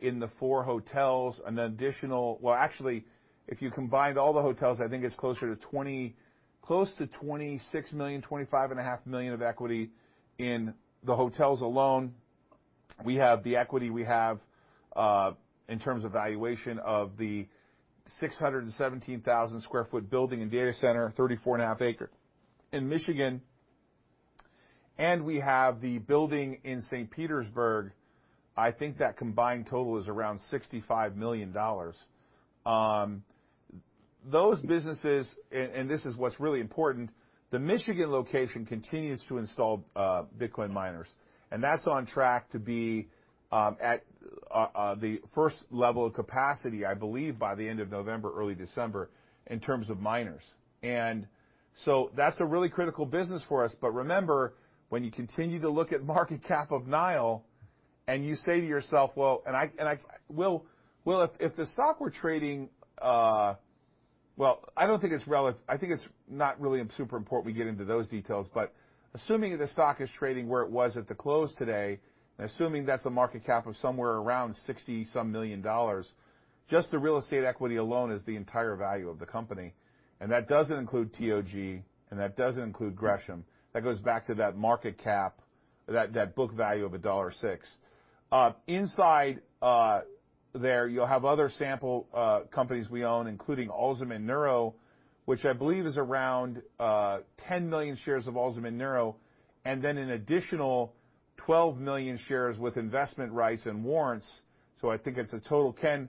[SPEAKER 1] in the four hotels. Well, actually, if you combined all the hotels, I think it's closer to 26 million, 25.5 Million of equity in the hotels alone. We have the equity in terms of valuation of the 617,000 sq ft building and data center, 34.5-acre in Michigan, and we have the building in St. Petersburg, I think that combined total is around $65 million. Those businesses, this is what's really important, the Michigan location continues to install Bitcoin miners, and that's on track to be the first level of capacity, I believe, by the end of November or early December in terms of miners. That's a really critical business for us. Remember, when you continue to look at market cap of BitNile, and you say to yourself, Will, if the stock were trading. I think it's not really super important we get into those details, but assuming the stock is trading where it was at the close today, and assuming that's a market cap of somewhere around $60 million, just the real estate equity alone is the entire value of the company. that doesn't include TOG, and that doesn't include Gresham. That goes back to that market cap, that book value of $1.06. Inside there, you'll have other examples companies we own, including Alzamend Neuro, which I believe is around 10 million shares of Alzamend Neuro, and then an additional 12 million shares with investment rights and warrants. I think it's a total ten.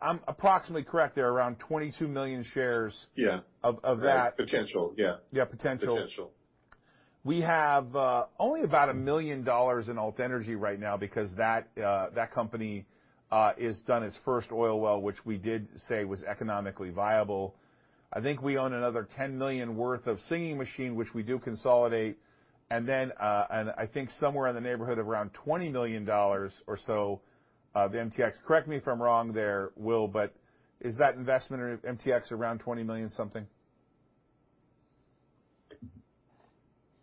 [SPEAKER 1] I'm approximately correct there, around 22 million shares.
[SPEAKER 4] Yeah.
[SPEAKER 1] Of that.
[SPEAKER 4] Potential, yeah.
[SPEAKER 1] Yeah, potential.
[SPEAKER 4] Potential.
[SPEAKER 1] We have only about $1 million in Ault Energy right now because that company has done its first oil well, which we did say was economically viable. I think we own another $10 million worth of Singing Machine, which we do consolidate. I think somewhere in the neighborhood of around $20 million or so of MTX. Correct me if I'm wrong there, Will, but is that investment in MTX around $20 million something?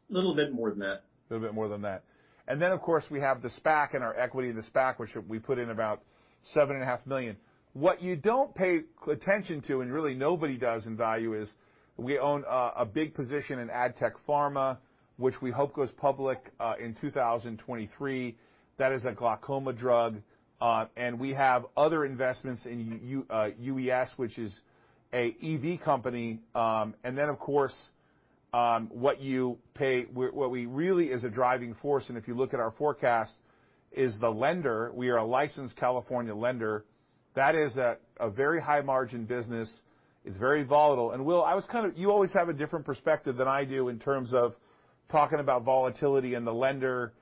[SPEAKER 4] Little bit more than that.
[SPEAKER 1] Little bit more than that. Of course, we have the SPAC and our equity in the SPAC, which we put in about $7.5 million. What you don't pay attention to, and really nobody does in value, is we own a big position in AdTech Pharma, which we hope goes public in 2023. That is a glaucoma drug. We have other investments in UES, which is an EV company. What we really is a driving force, and if you look at our forecast, is the lender. We are a licensed California lender. That is a very high margin business. It's very volatile. Will, I was kinda. You always have a different perspective than I do in terms of talking about volatility and the lender,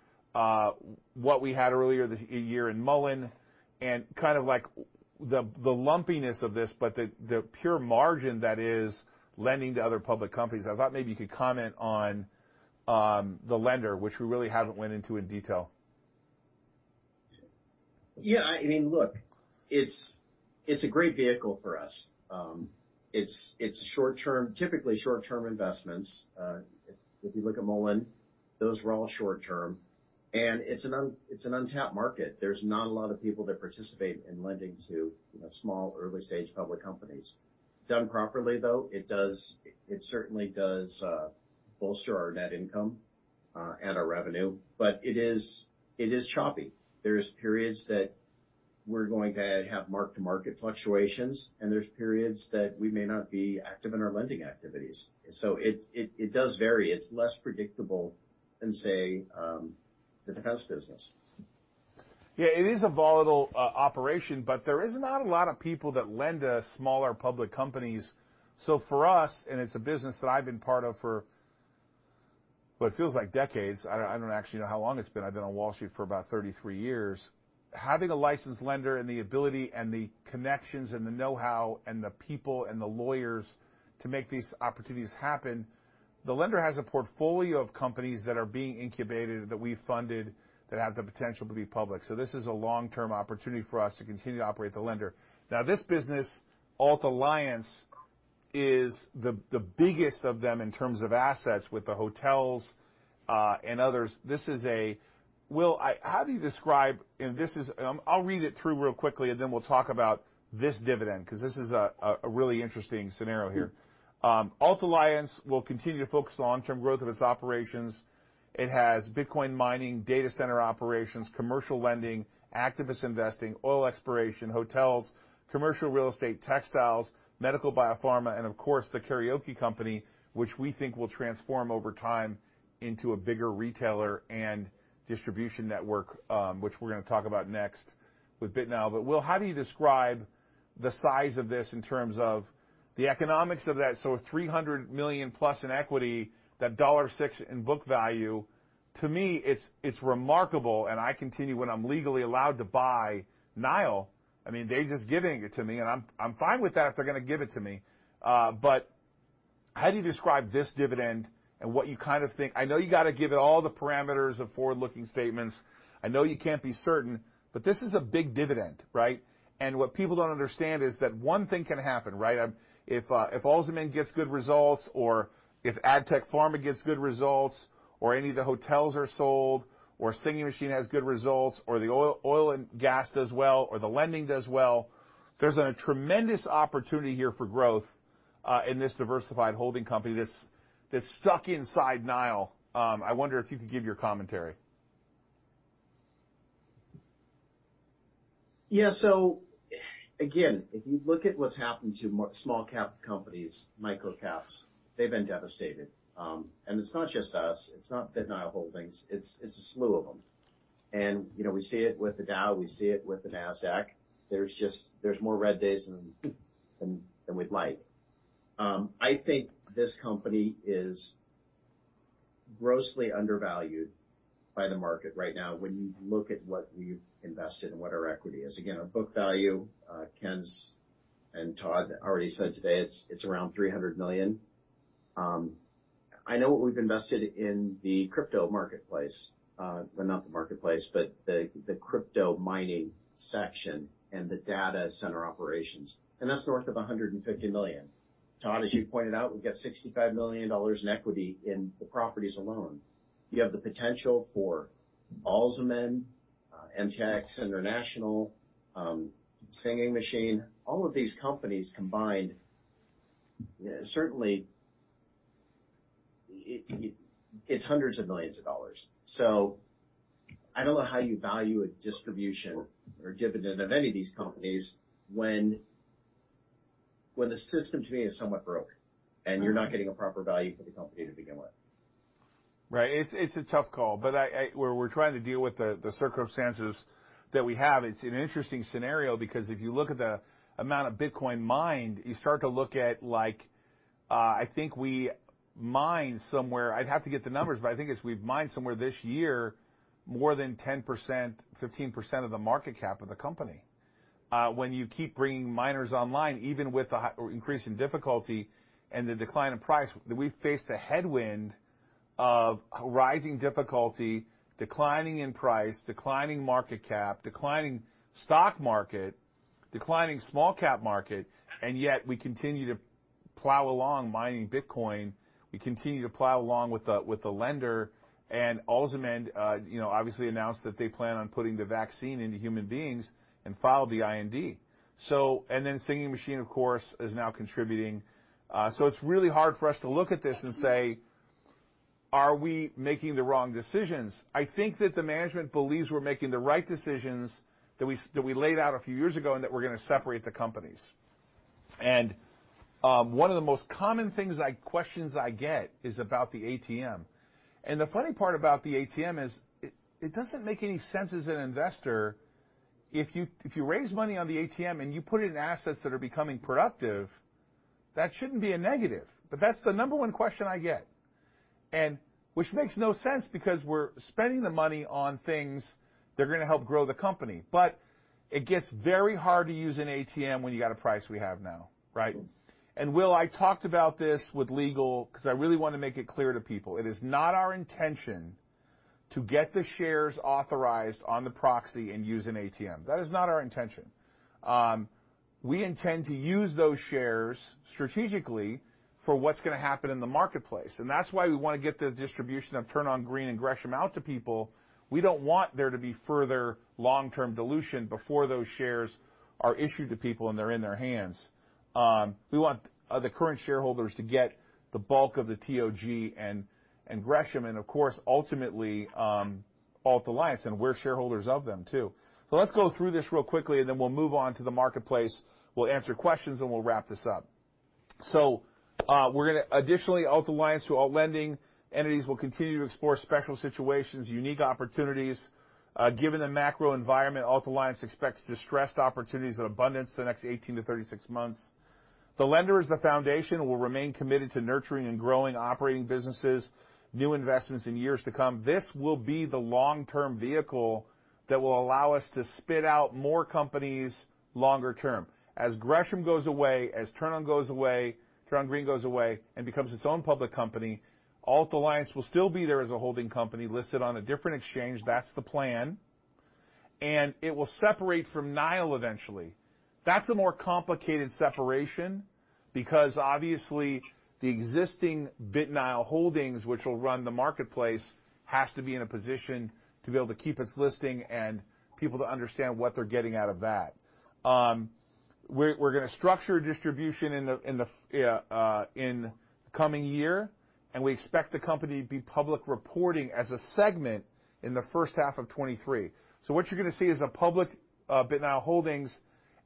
[SPEAKER 1] what we had earlier this year in Mullen, and kind of like the lumpiness of this, but the pure margin that is lending to other public companies. I thought maybe you could comment on the lender, which we really haven't went into in detail.
[SPEAKER 4] Yeah. I mean, look, it's a great vehicle for us. It's short-term, typically short-term investments. If you look at Mullen, those were all short-term. It's an untapped market. There's not a lot of people that participate in lending to, you know, small early-stage public companies. Done properly, though, it certainly does bolster our net income and our revenue, but it is choppy. There's periods that we're going to have mark-to-market fluctuations, and there's periods that we may not be active in our lending activities. It does vary. It's less predictable than, say, the defense business.
[SPEAKER 1] Yeah, it is a volatile operation, but there is not a lot of people that lend to smaller public companies. For us, and it's a business that I've been part of for what feels like decades, I don't actually know how long it's been. I've been on Wall Street for about 33 years. Having a licensed lender and the ability and the connections and the know-how and the people and the lawyers to make these opportunities happen, the lender has a portfolio of companies that are being incubated that we funded that have the potential to be public. This is a long-term opportunity for us to continue to operate the lender. Now, this business, Ault Alliance, is the biggest of them in terms of assets with the hotels and others. Will, how do you describe... This is, I'll read it through real quickly, and then we'll talk about this dividend 'cause this is a really interesting scenario here. Ault Alliance will continue to focus on long-term growth of its operations. It has Bitcoin mining, data center operations, commercial lending, activist investing, oil exploration, hotels, commercial real estate, textiles, medical biopharma, and of course, the karaoke company, which we think will transform over time into a bigger retailer and distribution network, which we're gonna talk about next with BitNile. Will, how do you describe the size of this in terms of the economics of that? $300 million+ in equity, that $1.06 in book value, to me, it's remarkable, and I continue, when I'm legally allowed to buy BitNile, I mean, they're just giving it to me, and I'm fine with that if they're gonna give it to me. But how do you describe this dividend and what you kind of think? I know you got to give it all the parameters of forward-looking statements. I know you can't be certain, but this is a big dividend, right? And what people don't understand is that one thing can happen, right? If Alzamend gets good results or if AdTech Pharma gets good results or any of the hotels are sold or Singing Machine has good results or the oil and gas does well or the lending does well, there's a tremendous opportunity here for growth in this diversified holding company that's stuck inside BitNile. I wonder if you could give your commentary.
[SPEAKER 4] Yeah. Again, if you look at what's happened to small cap companies, micro caps, they've been devastated. It's not just us, it's not BitNile Holdings, it's a slew of them. You know, we see it with the Dow, we see it with the Nasdaq. There's more red days than we'd like. I think this company is grossly undervalued by the market right now when you look at what we've invested and what our equity is. Again, our book value, Ken and Todd already said today it's around $300 million. I know what we've invested in the crypto marketplace, but the crypto mining section and the data center operations, and that's north of $150 million. Todd, as you pointed out, we've got $65 million in equity in the properties alone. You have the potential for Alzamend, MTX Group, Singing Machine, all of these companies combined. Certainly it's hundreds of millions of dollars. I don't know how you value a distribution or dividend of any of these companies when the system to me is somewhat broken and you're not getting a proper value for the company to begin with.
[SPEAKER 1] Right. It's a tough call, but we're trying to deal with the circumstances that we have. It's an interesting scenario because if you look at the amount of Bitcoin mined, you start to look at I think we mined somewhere. I'd have to get the numbers, but I think we've mined somewhere this year more than 10%, 15% of the market cap of the company. When you keep bringing miners online, even with the increase in difficulty and the decline in price, we face the headwind of rising difficulty, declining in price, declining market cap, declining stock market, declining small cap market, and yet we continue to plow along mining Bitcoin. We continue to plow along with the lender and Alzamend. You know, obviously announced that they plan on putting the vaccine into human beings and filed the IND. Singing Machine, of course, is now contributing. It's really hard for us to look at this and say, "Are we making the wrong decisions?" I think that the management believes we're making the right decisions that we laid out a few years ago and that we're gonna separate the companies. One of the most common questions I get is about the ATM. The funny part about the ATM is it doesn't make any sense as an investor if you raise money on the ATM and you put it in assets that are becoming productive, that shouldn't be a negative. That's the number one question I get. Which makes no sense because we're spending the money on things that are gonna help grow the company. It gets very hard to use an ATM when you got a price we have now, right? Will, I talked about this with legal because I really want to make it clear to people. It is not our intention to get the shares authorized on the proxy and use an ATM. That is not our intention. We intend to use those shares strategically for what's gonna help happen in the marketplace, and that's why we want to get the distribution of TurnOnGreen and Gresham out to people. We don't want there to be further long-term dilution before those shares are issued to people and they're in their hands. We want the current shareholders to get the bulk of the TOG and Gresham and of course, ultimately, Ault Alliance, and we're shareholders of them too. Let's go through this real quickly and then we'll move on to the marketplace. We'll answer questions and we'll wrap this up. Additionally, Ault Alliance through Ault Lending entities will continue to explore special situations, unique opportunities. Given the macro environment, Ault Alliance expects distressed opportunities in abundance the next 18-36 months. Ault Lending as the foundation will remain committed to nurturing and growing operating businesses, new investments in years to come. This will be the long-term vehicle that will allow us to spin out more companies longer term. As Gresham goes away, as TurnOnGreen goes away, TurnOnGreen goes away and becomes its own public company, Ault Alliance will still be there as a holding company listed on a different exchange. That's the plan. It will separate from BitNile eventually. That's a more complicated separation because obviously the existing BitNile Holdings, which will run the marketplace, has to be in a position to be able to keep its listing and people to understand what they're getting out of that. We're gonna structure distribution in the coming year, and we expect the company to be public reporting as a segment in the first half of 2023. What you're gonna see is a public BitNile Holdings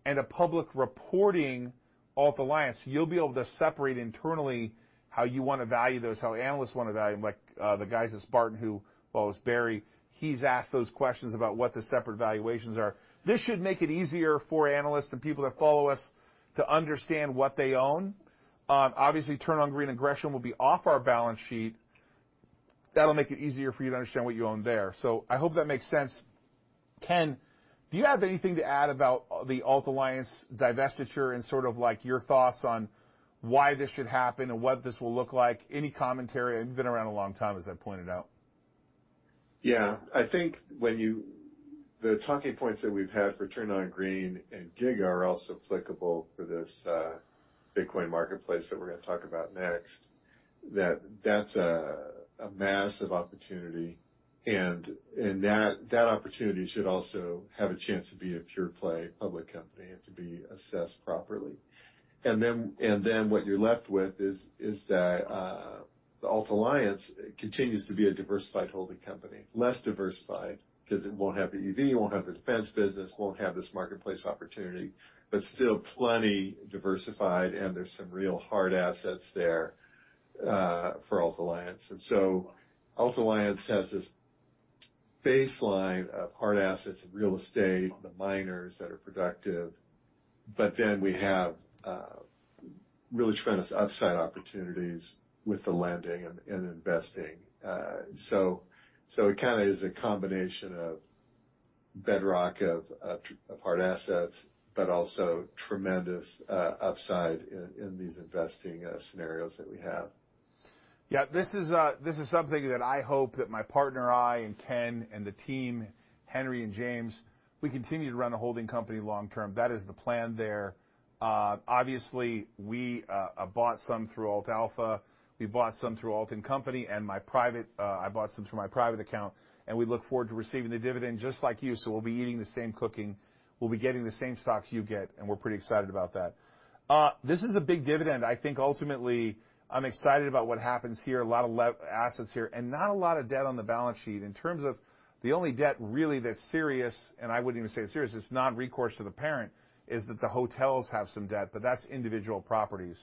[SPEAKER 1] and a public reporting Ault Alliance. You'll be able to separate internally how you wanna value those, how analysts wanna value them, like, the guys at Spartan. Well, it's Barry. He's asked those questions about what the separate valuations are. This should make it easier for analysts and people that follow us to understand what they own. Obviously, TurnOnGreen and Gresham will be off our balance sheet. That'll make it easier for you to understand what you own there. I hope that makes sense. Ken, do you have anything to add about the Ault Alliance divestiture and sort of like your thoughts on why this should happen and what this will look like? Any commentary? You've been around a long time, as I pointed out.
[SPEAKER 3] Yeah. I think the talking points that we've had for TurnOnGreen and Giga-tronics are also applicable for this Bitcoin marketplace that we're gonna talk about next. That's a massive opportunity, and that opportunity should also have a chance to be a pure play public company and to be assessed properly. What you're left with is that the Ault Alliance continues to be a diversified holding company. Less diversified 'cause it won't have the EV, it won't have the defense business, it won't have this marketplace opportunity, but still plenty diversified, and there's some real hard assets there for Ault Alliance. Ault Alliance has this baseline of hard assets in real estate, the miners that are productive, but then we have really tremendous upside opportunities with the lending and investing. It kinda is a combination of bedrock of hard assets, but also tremendous upside in these investing scenarios that we have.
[SPEAKER 1] Yeah. This is something that I hope that my partner and I, and Ken, and the team, Henry and James, we continue to run a holding company long term. That is the plan there. Obviously we bought some through Ault Alpha. We bought some through Ault and Company, and I bought some through my private account, and we look forward to receiving the dividend just like you. We'll be eating the same cooking. We'll be getting the same stocks you get, and we're pretty excited about that. This is a big dividend. I think ultimately I'm excited about what happens here. A lot of assets here, and not a lot of debt on the balance sheet. In terms of the only debt really that's serious, and I wouldn't even say it's serious, it's not recourse to the parent, is that the hotels have some debt, but that's individual properties.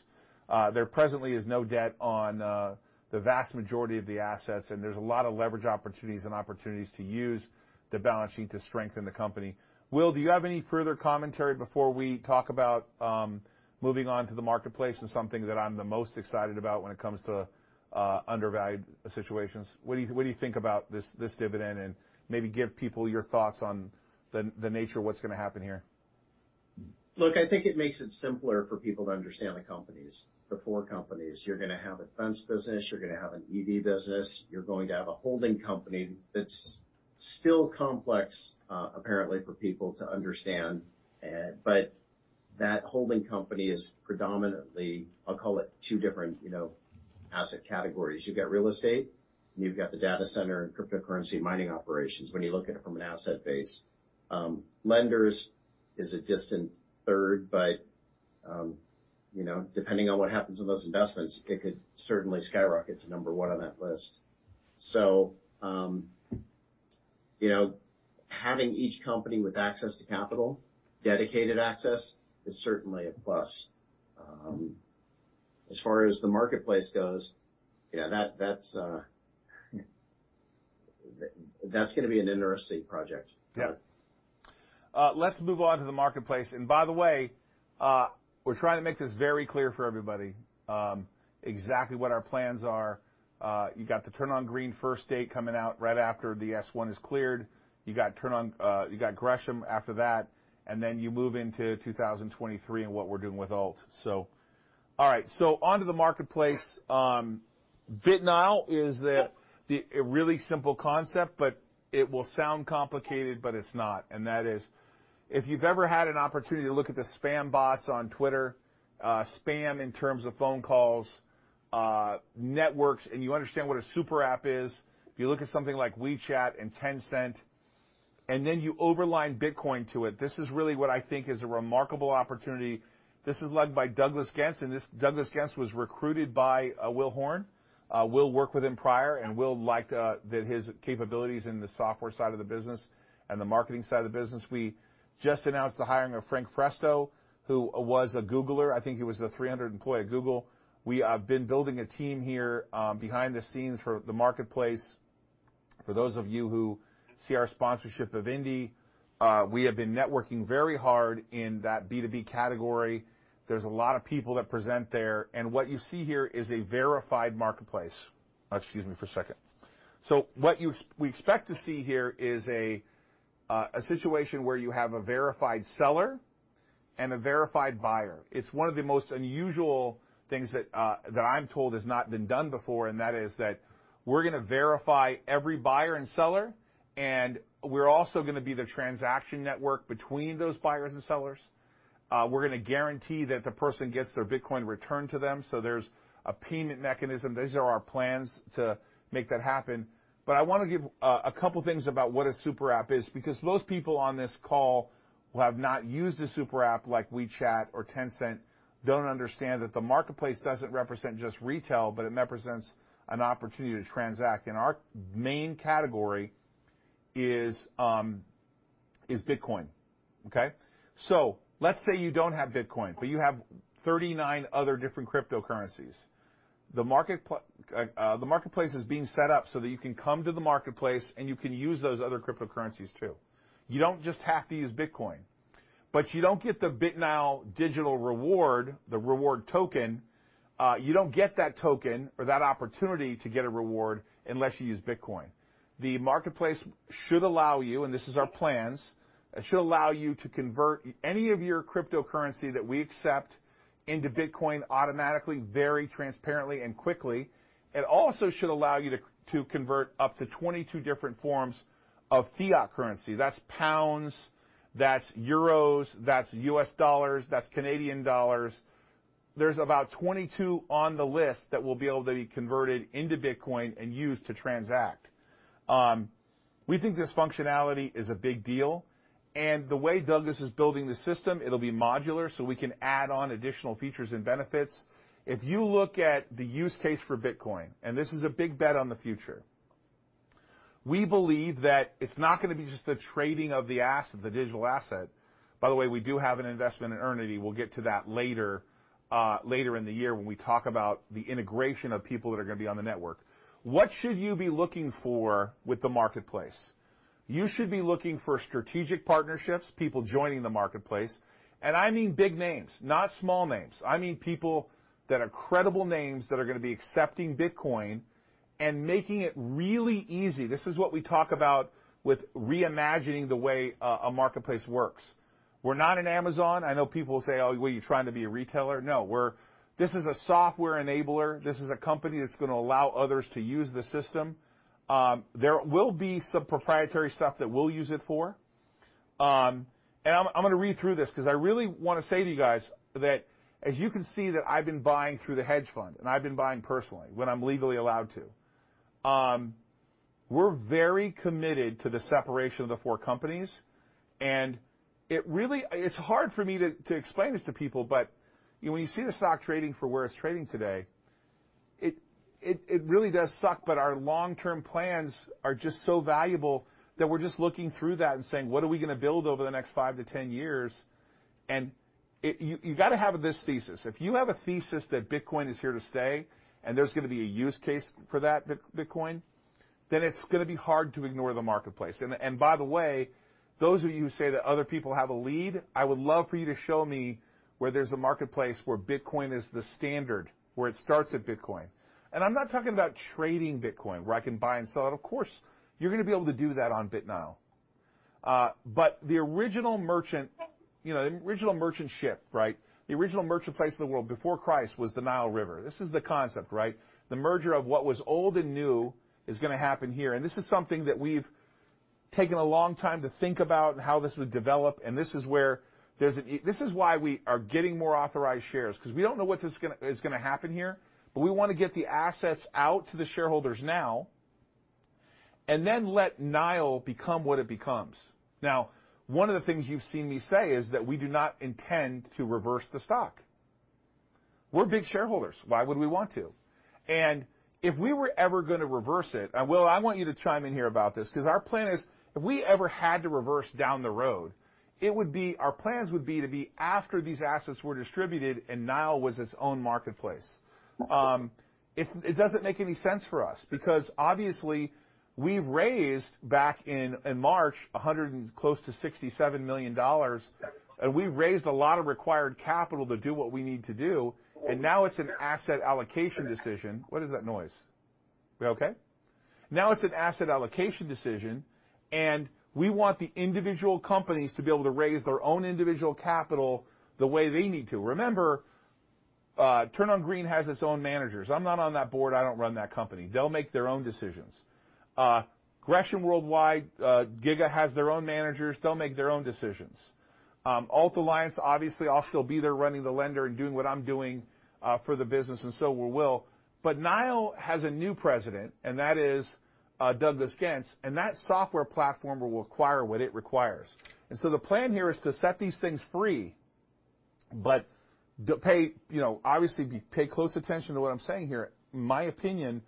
[SPEAKER 1] There presently is no debt on the vast majority of the assets, and there's a lot of leverage opportunities and opportunities to use the balance sheet to strengthen the company. Will, do you have any further commentary before we talk about moving on to the marketplace and something that I'm the most excited about when it comes to undervalued situations? What do you think about this dividend? And maybe give people your thoughts on the nature of what's gonna happen here.
[SPEAKER 4] Look, I think it makes it simpler for people to understand the companies, the four companies. You're gonna have a defense business. You're gonna have an EV business. You're going to have a holding company that's still complex, apparently for people to understand. That holding company is predominantly, I'll call it two different, you know, asset categories. You've got real estate, and you've got the data center and cryptocurrency mining operations when you look at it from an asset base. Lenders is a distant third, but, you know, depending on what happens with those investments, it could certainly skyrocket to number one on that list. You know, having each company with access to capital, dedicated access, is certainly a plus. As far as the marketplace goes, yeah, that's gonna be an interesting project.
[SPEAKER 1] Yeah. Let's move on to the marketplace. By the way, we're trying to make this very clear for everybody, exactly what our plans are. You got the TurnOnGreen first date coming out right after the S-1 is cleared. You got Gresham after that, and then you move into 2023 and what we're doing with Ault. All right. Onto the marketplace. BitNile is a really simple concept, but it will sound complicated, but it's not. That is, if you've ever had an opportunity to look at the spam bots on Twitter, spam in terms of phone calls, networks, and you understand what a super app is. If you look at something like WeChat and Tencent, and then you overlay Bitcoin to it, this is really what I think is a remarkable opportunity. This is led by Douglas Gintz, and Douglas Gintz was recruited by William B. Horne. Will worked with him prior, and Will liked his capabilities in the software side of the business and the marketing side of the business. We just announced the hiring of Frank Fresto, who was a Googler. I think he was a 300th employee at Google. We have been building a team here behind the scenes for the marketplace. For those of you who see our sponsorship of IndyCar, we have been networking very hard in that B2B category. There's a lot of people that present there, and what you see here is a verified marketplace. Excuse me for a second. We expect to see here is a situation where you have a verified seller and a verified buyer. It's one of the most unusual things that I'm told has not been done before, and that is that we're gonna verify every buyer and seller, and we're also gonna be the transaction network between those buyers and sellers. We're gonna guarantee that the person gets their Bitcoin returned to them, so there's a payment mechanism. These are our plans to make that happen. I wanna give a couple things about what a super app is because most people on this call who have not used a super app like WeChat or Tencent don't understand that the marketplace doesn't represent just retail, but it represents an opportunity to transact. Our main category is Bitcoin, okay? Let's say you don't have Bitcoin, but you have 39 other different cryptocurrencies. The marketplace is being set up so that you can come to the marketplace, and you can use those other cryptocurrencies too. You don't just have to use Bitcoin. You don't get the BitNile digital reward, the reward token, you don't get that token or that opportunity to get a reward unless you use Bitcoin. The marketplace should allow you, and this is our plans, it should allow you to convert any of your cryptocurrency that we accept into Bitcoin automatically, very transparently and quickly. It also should allow you to convert up to 22 different forms of fiat currency. That's pounds, that's euros, that's US dollars, that's Canadian dollars. There's about 22 on the list that will be able to be converted into Bitcoin and used to transact. We think this functionality is a big deal. The way Douglas is building the system, it'll be modular, so we can add on additional features and benefits. If you look at the use case for Bitcoin, and this is a big bet on the future, we believe that it's not gonna be just the trading of the asset, the digital asset. By the way, we do have an investment in Earnity. We'll get to that later in the year when we talk about the integration of people that are gonna be on the network. What should you be looking for with the marketplace? You should be looking for strategic partnerships, people joining the marketplace. I mean big names, not small names. I mean people that are credible names that are gonna be accepting Bitcoin and making it really easy. This is what we talk about with reimagining the way a marketplace works. We're not an Amazon. I know people say, "Oh, what are you trying to be a retailer?" No, we're this is a software enabler. This is a company that's gonna allow others to use the system. There will be some proprietary stuff that we'll use it for. And I'm gonna read through this 'cause I really wanna say to you guys that as you can see that I've been buying through the hedge fund, and I've been buying personally when I'm legally allowed to. We're very committed to the separation of the four companies, and it really is hard for me to explain this to people, but when you see the stock trading for where it's trading today, it really does suck, but our long-term plans are just so valuable that we're just looking through that and saying, "What are we gonna build over the next 5-10 years?" You gotta have this thesis. If you have a thesis that Bitcoin is here to stay and there's gonna be a use case for that Bitcoin, then it's gonna be hard to ignore the marketplace. By the way, those of you who say that other people have a lead, I would love for you to show me where there's a marketplace where Bitcoin is the standard, where it starts at Bitcoin. I'm not talking about trading Bitcoin, where I can buy and sell it. Of course, you're gonna be able to do that on BitNile. The original merchant, you know, the original merchant ship, right? The original merchant place in the world before Christ was the Nile River. This is the concept, right? The merger of what was old and new is gonna happen here, and this is something that we've taken a long time to think about and how this would develop, and this is where this is why we are getting more authorized shares, 'cause we don't know what is gonna happen here, but we wanna get the assets out to the shareholders now and then let BitNile become what it becomes. Now, one of the things you've seen me say is that we do not intend to reverse the stock. We're big shareholders. Why would we want to? If we were ever gonna reverse it, and Will, I want you to chime in here about this, 'cause our plan is, if we ever had to reverse down the road, it would be our plans would be to be after these assets were distributed and BitNile was its own marketplace. It doesn't make any sense for us because obviously we've raised, back in March, close to $167 million, and we've raised a lot of required capital to do what we need to do, and now it's an asset allocation decision. What is that noise? We okay? Now it's an asset allocation decision, and we want the individual companies to be able to raise their own individual capital the way they need to. Remember, TurnOnGreen has its own managers. I'm not on that board. I don't run that company. They'll make their own decisions. Gresham Worldwide, Giga has their own managers. They'll make their own decisions. Ault Alliance, obviously, I'll still be there running the lender and doing what I'm doing, for the business, and so will Will. BitNile has a new president, and that is, Douglas Gintz, and that software platform will acquire what it requires. The plan here is to set these things free. Today, you know, obviously pay close attention to what I'm saying here. In my opinion,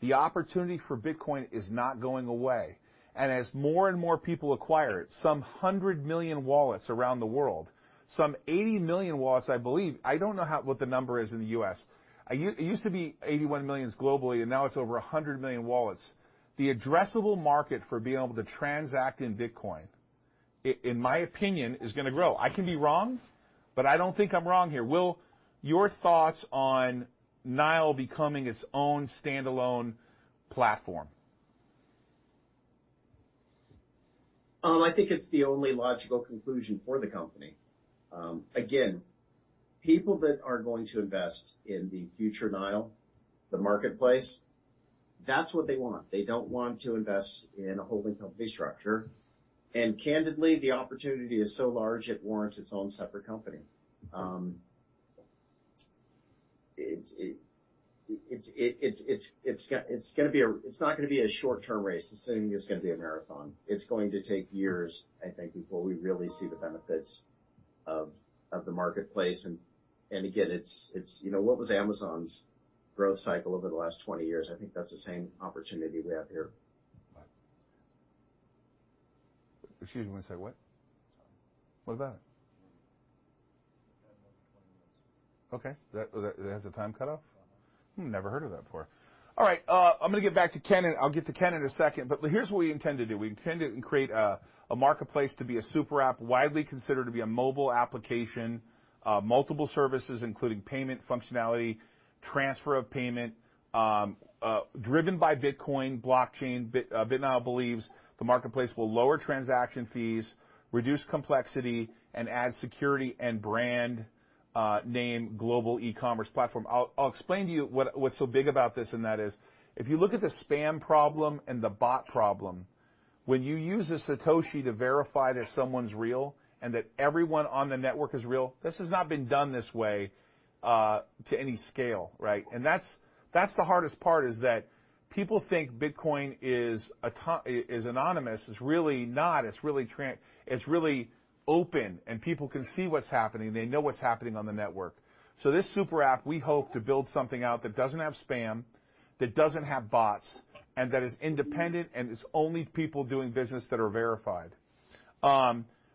[SPEAKER 1] the opportunity for Bitcoin is not going away. As more and more people acquire it, some 100 million wallets around the world, some 80 million wallets, I believe, I don't know what the number is in the US. It used to be 81 million globally, and now it's over 100 million wallets. The addressable market for being able to transact in Bitcoin, in my opinion, is gonna grow. I can be wrong, but I don't think I'm wrong here. Will, your thoughts on BitNile becoming its own standalone platform.
[SPEAKER 4] I think it's the only logical conclusion for the company. Again, people that are going to invest in the future BitNile, the marketplace, that's what they want. They don't want to invest in a holding company structure. Candidly, the opportunity is so large it warrants its own separate company. It's not gonna be a short-term race. This thing is gonna be a marathon. It's going to take years, I think, before we really see the benefits of the marketplace. Again, you know, what was Amazon's growth cycle over the last 20 years? I think that's the same opportunity we have here.
[SPEAKER 1] Right. Excuse me. You wanna say what?
[SPEAKER 4] Sorry.
[SPEAKER 1] What about it? Okay. That has a time cut off?
[SPEAKER 4] Uh-huh.
[SPEAKER 1] Never heard of that before. All right. I'm gonna get back to Ken, and I'll get to Ken in a second. Here's what we intend to do. We intend to create a marketplace to be a super app, widely considered to be a mobile application, multiple services, including payment functionality, transfer of payment, driven by Bitcoin, blockchain. BitNile believes the marketplace will lower transaction fees, reduce complexity, and add security and brand name global e-commerce platform. I'll explain to you what's so big about this, and that is, if you look at the spam problem and the bot problem, when you use a Satoshi to verify that someone's real and that everyone on the network is real, this has not been done this way, to any scale, right? That's the hardest part, is that people think Bitcoin is anonymous. It's really not. It's really open, and people can see what's happening. They know what's happening on the network. This super app, we hope to build something out that doesn't have spam, that doesn't have bots, and that is independent, and it's only people doing business that are verified.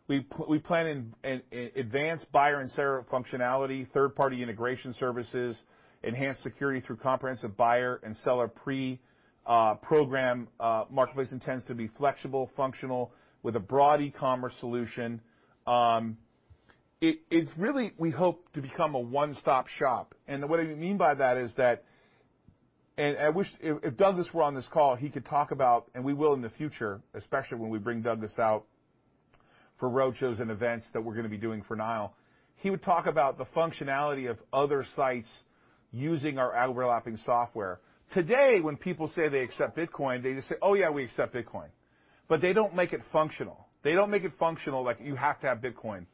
[SPEAKER 1] We plan an advanced buyer and seller functionality, third-party integration services, enhanced security through comprehensive buyer and seller program. Marketplace intends to be flexible, functional with a broad e-commerce solution. It's really we hope to become a one-stop shop. What I mean by that is that. I wish if Douglas were on this call, he could talk about, and we will in the future, especially when we bring Douglas out for roadshows and events that we're gonna be doing for BitNile. He would talk about the functionality of other sites using our overlapping software. Today, when people say they accept Bitcoin, they just say, "Oh yeah, we accept Bitcoin." But they don't make it functional. They don't make it functional like you have to have Bitcoin.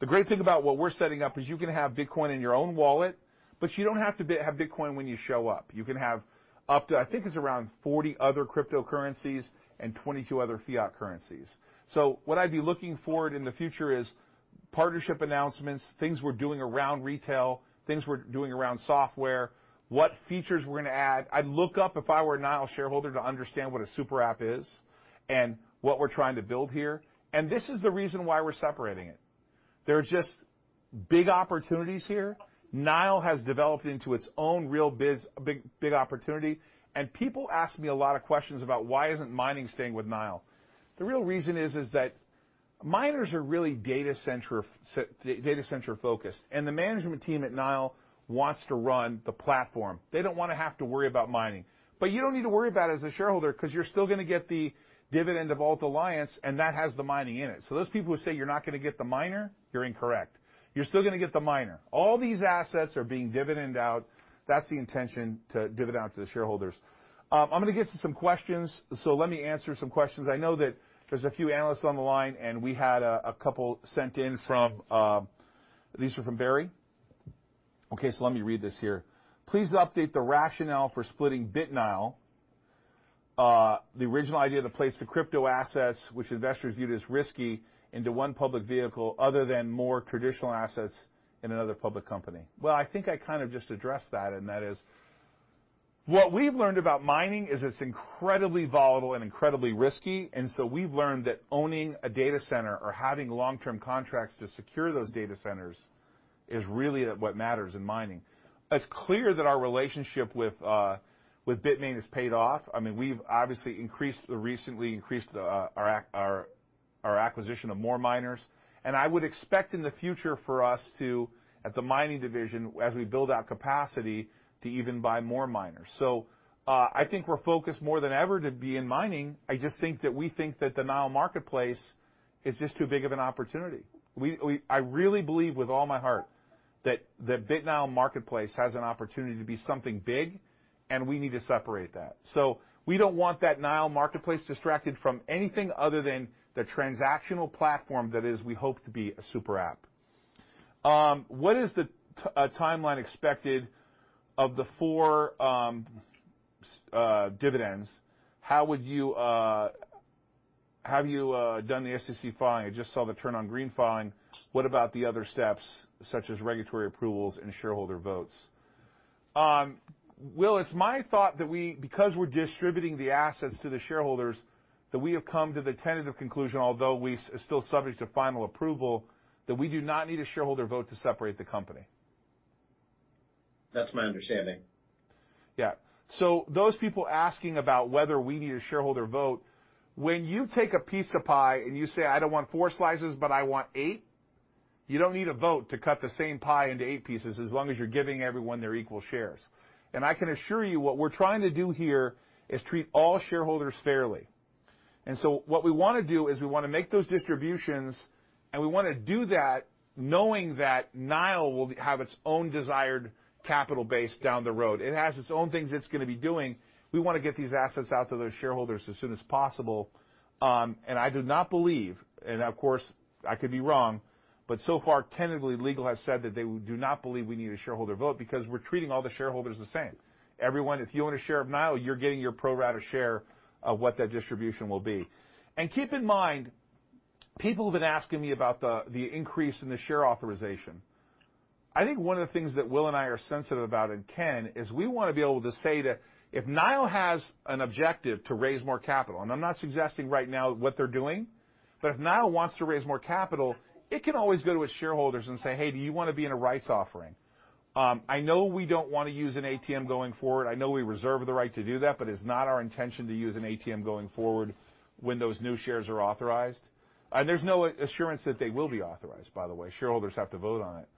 [SPEAKER 1] The great thing about what we're setting up is you can have Bitcoin in your own wallet, but you don't have to have Bitcoin when you show up. You can have up to, I think it's around 40 other cryptocurrencies and 22 other fiat currencies. What I'd be looking for in the future is partnership announcements, things we're doing around retail, things we're doing around software, what features we're gonna add. I'd look up, if I were a BitNile shareholder, to understand what a super app is and what we're trying to build here. This is the reason why we're separating it. There are just big opportunities here. BitNile has developed into its own real biz, a big, big opportunity. People ask me a lot of questions about why isn't mining staying with BitNile. The real reason is that miners are really data center focused, and the management team at BitNile wants to run the platform. They don't wanna have to worry about mining. You don't need to worry about it as a shareholder 'cause you're still gonna get the dividend of Ault Alliance, and that has the mining in it. Those people who say you're not gonna get the miner, you're incorrect. You're still gonna get the miner. All these assets are being dividended out. That's the intention, to dividend out to the shareholders. I'm gonna get to some questions, let me answer some questions. I know that there's a few analysts on the line, and we had a couple sent in from. These were from Barry. Okay, let me read this here. Please update the rationale for splitting BitNile. The original idea to place the crypto assets, which investors viewed as risky, into one public vehicle other than more traditional assets in another public company. Well, I think I kind of just addressed that, and that is what we've learned about mining is it's incredibly volatile and incredibly risky, and we've learned that owning a data center or having long-term contracts to secure those data centers is really what matters in mining. It's clear that our relationship with Bitmain has paid off. I mean, we've obviously recently increased our acquisition of more miners, and I would expect in the future for us to, at the mining division, as we build out capacity, to even buy more miners. I think we're focused more than ever to be in mining. I just think that we think that the BitNile marketplace is just too big of an opportunity. I really believe with all my heart that the BitNile marketplace has an opportunity to be something big, and we need to separate that. We don't want the BitNile marketplace distracted from anything other than the transactional platform that we hope to be a super app. What is the timeline expected for the 4 dividends? Have you done the SEC filing? I just saw the TurnOnGreen filing. What about the other steps, such as regulatory approvals and shareholder votes? Will, it's my thought that because we're distributing the assets to the shareholders, we have come to the tentative conclusion, although we are still subject to final approval, that we do not need a shareholder vote to separate the company.
[SPEAKER 4] That's my understanding.
[SPEAKER 1] Yeah. Those people asking about whether we need a shareholder vote, when you take a piece of pie, and you say, "I don't want four slices, but I want eight," you don't need a vote to cut the same pie into eight pieces, as long as you're giving everyone their equal shares. I can assure you what we're trying to do here is treat all shareholders fairly. What we wanna do is we wanna make those distributions, and we wanna do that knowing that BitNile will have its own desired capital base down the road. It has its own things it's gonna be doing. We wanna get these assets out to those shareholders as soon as possible. I do not believe, and of course, I could be wrong, but so far, tentatively, legal has said that they do not believe we need a shareholder vote because we're treating all the shareholders the same. Everyone, if you own a share of BitNile, you're getting your pro rata share of what that distribution will be. Keep in mind, people have been asking me about the increase in the share authorization. I think one of the things that Will and I are sensitive about, and Ken, is we wanna be able to say that if BitNile has an objective to raise more capital, and I'm not suggesting right now what they're doing, but if BitNile wants to raise more capital, it can always go to its shareholders and say, "Hey, do you wanna be in a rights offering?" I know we don't wanna use an ATM going forward. I know we reserve the right to do that, but it's not our intention to use an ATM going forward when those new shares are authorized. And there's no assurance that they will be authorized, by the way. Shareholders have to vote on it.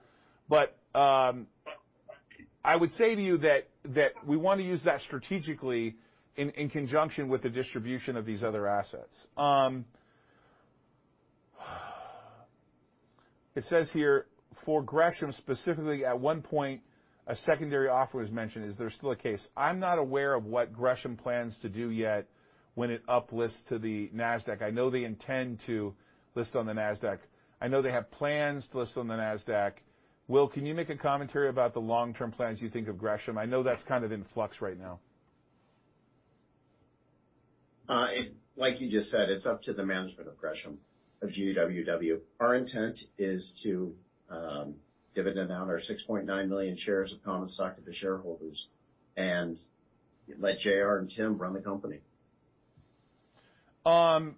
[SPEAKER 1] I would say to you that we wanna use that strategically in conjunction with the distribution of these other assets. It says here, for Gresham specifically, at one point, a secondary offer was mentioned. Is there still a case? I'm not aware of what Gresham plans to do yet when it uplists to the Nasdaq. I know they intend to list on the Nasdaq. I know they have plans to list on the Nasdaq. Will, can you make a commentary about the long-term plans you think of Gresham? I know that's kind of in flux right now.
[SPEAKER 4] Like you just said, it's up to the management of Gresham, of GWW. Our intent is to dividend out our 6.9 million shares of common stock to the shareholders and let J.R. and Tim run the company.
[SPEAKER 1] One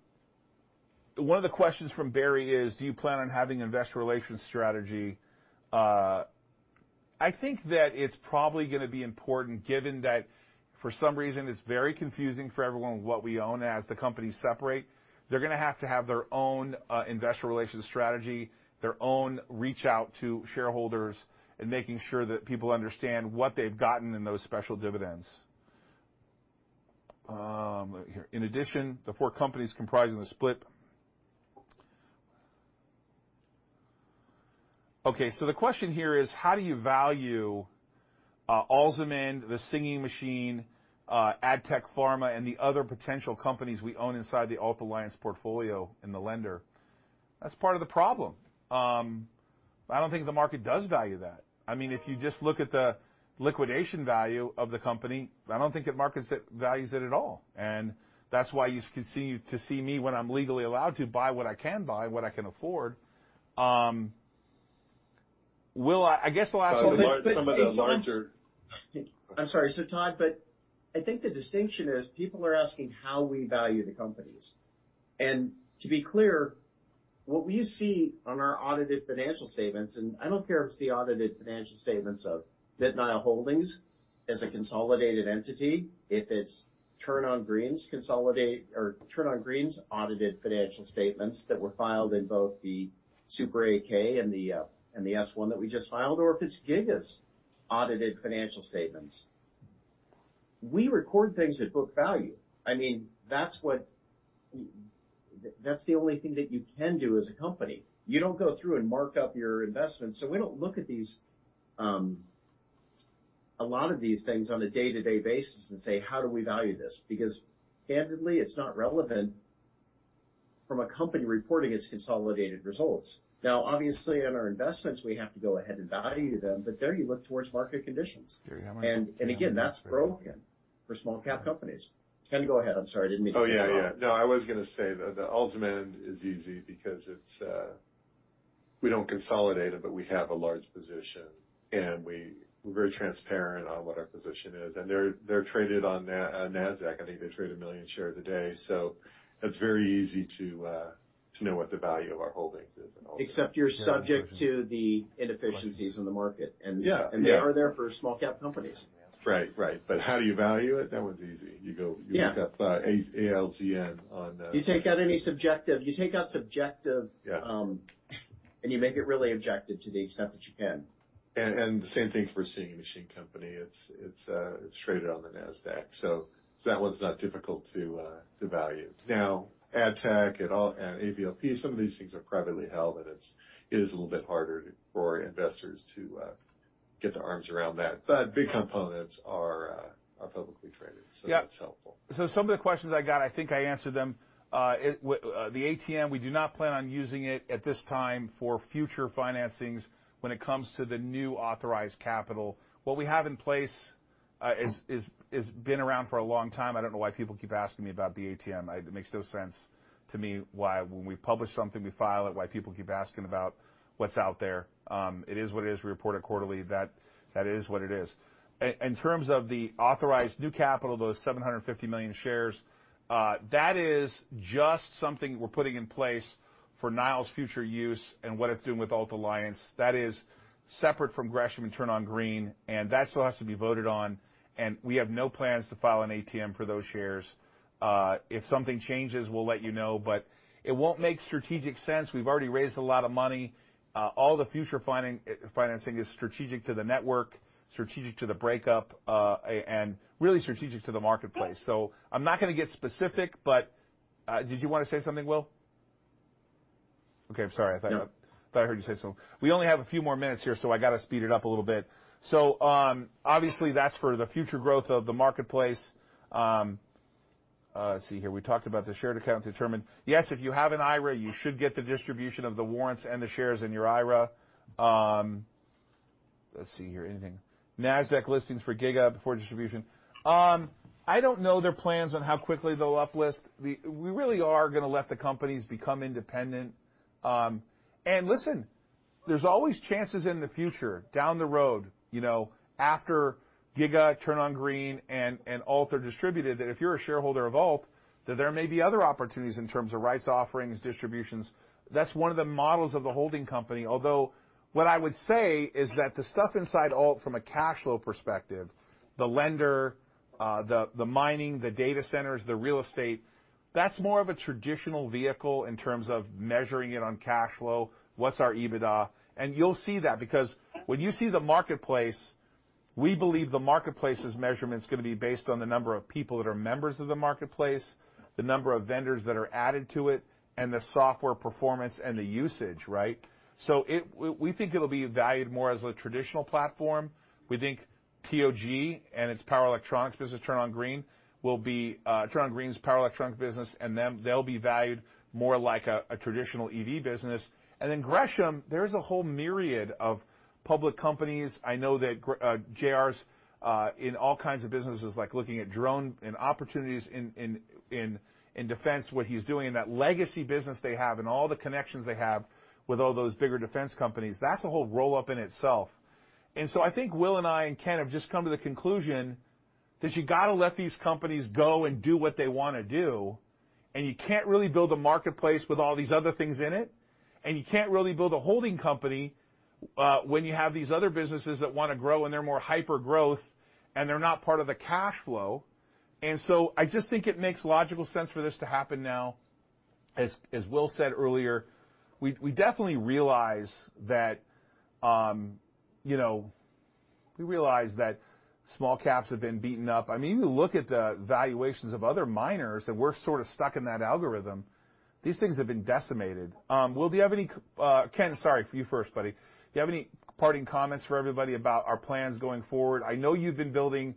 [SPEAKER 1] of the questions from Barry is: Do you plan on having investor relations strategy? I think that it's probably gonna be important given that for some reason it's very confusing for everyone what we own. As the companies separate, they're gonna have to have their own investor relations strategy, their own reach out to shareholders, and making sure that people understand what they've gotten in those special dividends. In addition, the four companies comprising the split. Okay, so the question here is: How do you value Alzamend, The Singing Machine, AdTech Pharma, and the other potential companies we own inside the Ault Alliance portfolio and the lender? That's part of the problem. I don't think the market does value that. I mean, if you just look at the liquidation value of the company, I don't think it values it at all. That's why you continue to see me, when I'm legally allowed to, buy what I can buy, what I can afford. Will, I guess we'll ask.
[SPEAKER 3] Some of the larger-
[SPEAKER 4] I'm sorry. Todd, I think the distinction is people are asking how we value the companies. To be clear, what you see on our audited financial statements, and I don't care if it's the audited financial statements of BitNile Holdings as a consolidated entity, if it's TurnOnGreen's consolidated or TurnOnGreen's audited financial statements that were filed in both the Super 8-K and the S-1 that we just filed, or if it's Giga-tronics' audited financial statements. We record things at book value. I mean, that's the only thing that you can do as a company. You don't go through and mark up your investments. We don't look at these, a lot of these things on a day-to-day basis and say, "How do we value this?" Because candidly, it's not relevant from a company reporting its consolidated results. Now, obviously, in our investments, we have to go ahead and value them, but there you look towards market conditions. And again, that's broken for small cap companies. Ken, go ahead. I'm sorry. I didn't mean to cut you off.
[SPEAKER 3] Oh, yeah. No, I was gonna say the Alzamend is easy because it's we don't consolidate it, but we have a large position, and we're very transparent on what our position is. They're traded on Nasdaq. I think they trade 1 million shares a day. So it's very easy to know what the value of our holdings is in Alzamend.
[SPEAKER 4] Except you're subject to the inefficiencies in the market.
[SPEAKER 3] Yeah. Yeah.
[SPEAKER 4] They are there for small-cap companies.
[SPEAKER 3] Right. How do you value it? That one's easy.
[SPEAKER 4] Yeah.
[SPEAKER 3] You look up ALZN on.
[SPEAKER 4] You take out any subjective.
[SPEAKER 3] Yeah.
[SPEAKER 4] You make it really objective to the extent that you can.
[SPEAKER 3] The same thing for Singing Machine Company. It's traded on the Nasdaq. So that one's not difficult to value. Now, AdTech and AVLP, some of these things are privately held, and it is a little bit harder for investors to get their arms around that. But big components are publicly traded.
[SPEAKER 1] Yeah.
[SPEAKER 3] That's helpful.
[SPEAKER 1] Some of the questions I got, I think I answered them. The ATM, we do not plan on using it at this time for future financings when it comes to the new authorized capital. What we have in place has been around for a long time. I don't know why people keep asking me about the ATM. It makes no sense to me why when we publish something, we file it, why people keep asking about what's out there. It is what it is. We report it quarterly. That is what it is. In terms of the authorized new capital, those 750 million shares, that is just something we're putting in place for BitNile's future use and what it's doing with Ault Alliance. That is separate from Gresham and TurnOnGreen, and that still has to be voted on, and we have no plans to file an ATM for those shares. If something changes, we'll let you know, but it won't make strategic sense. We've already raised a lot of money. All the future financing is strategic to the network, strategic to the breakup, and really strategic to the marketplace. I'm not gonna get specific but. Did you wanna say something, Will? Okay. I'm sorry. I thought.
[SPEAKER 4] No.
[SPEAKER 1] I thought I heard you say so. We only have a few more minutes here, so I gotta speed it up a little bit. Obviously that's for the future growth of the marketplace. Let's see here. We talked about the shared accounts determined. Yes, if you have an IRA, you should get the distribution of the warrants and the shares in your IRA. Let's see here. Anything. Nasdaq listings for Giga-tronics before distribution. I don't know their plans on how quickly they'll uplist. We really are gonna let the companies become independent. There's always chances in the future, down the road, you know, after Giga-tronics, TurnOnGreen and Ault are distributed, that if you're a shareholder of Ault, that there may be other opportunities in terms of rights offerings, distributions. That's one of the models of a holding company. Although what I would say is that the stuff inside Ault from a cash flow perspective, the lender, the mining, the data centers, the real estate, that's more of a traditional vehicle in terms of measuring it on cash flow. What's our EBITDA? You'll see that because when you see the marketplace, we believe the marketplace's measurement's gonna be based on the number of people that are members of the marketplace, the number of vendors that are added to it, and the software performance and the usage, right? We think it'll be valued more as a traditional platform. We think TOG and its power electronics business, TurnOnGreen, will be, TurnOnGreen's power electronics business, and then they'll be valued more like a traditional EV business. Then Gresham, there's a whole myriad of public companies. I know that J.R.'s in all kinds of businesses like looking at drone and opportunities in defense, what he's doing in that legacy business they have and all the connections they have with all those bigger defense companies. That's a whole roll-up in itself. I think Will and I and Ken have just come to the conclusion that you gotta let these companies go and do what they wanna do, and you can't really build a marketplace with all these other things in it, and you can't really build a holding company when you have these other businesses that wanna grow, and they're more hypergrowth, and they're not part of the cash flow. I just think it makes logical sense for this to happen now. As Will said earlier, we definitely realize that, you know, we realize that small caps have been beaten up. I mean, you look at the valuations of other miners, and we're sorta stuck in that algorithm. These things have been decimated. Ken, sorry, you first, buddy. Do you have any parting comments for everybody about our plans going forward? I know you've been building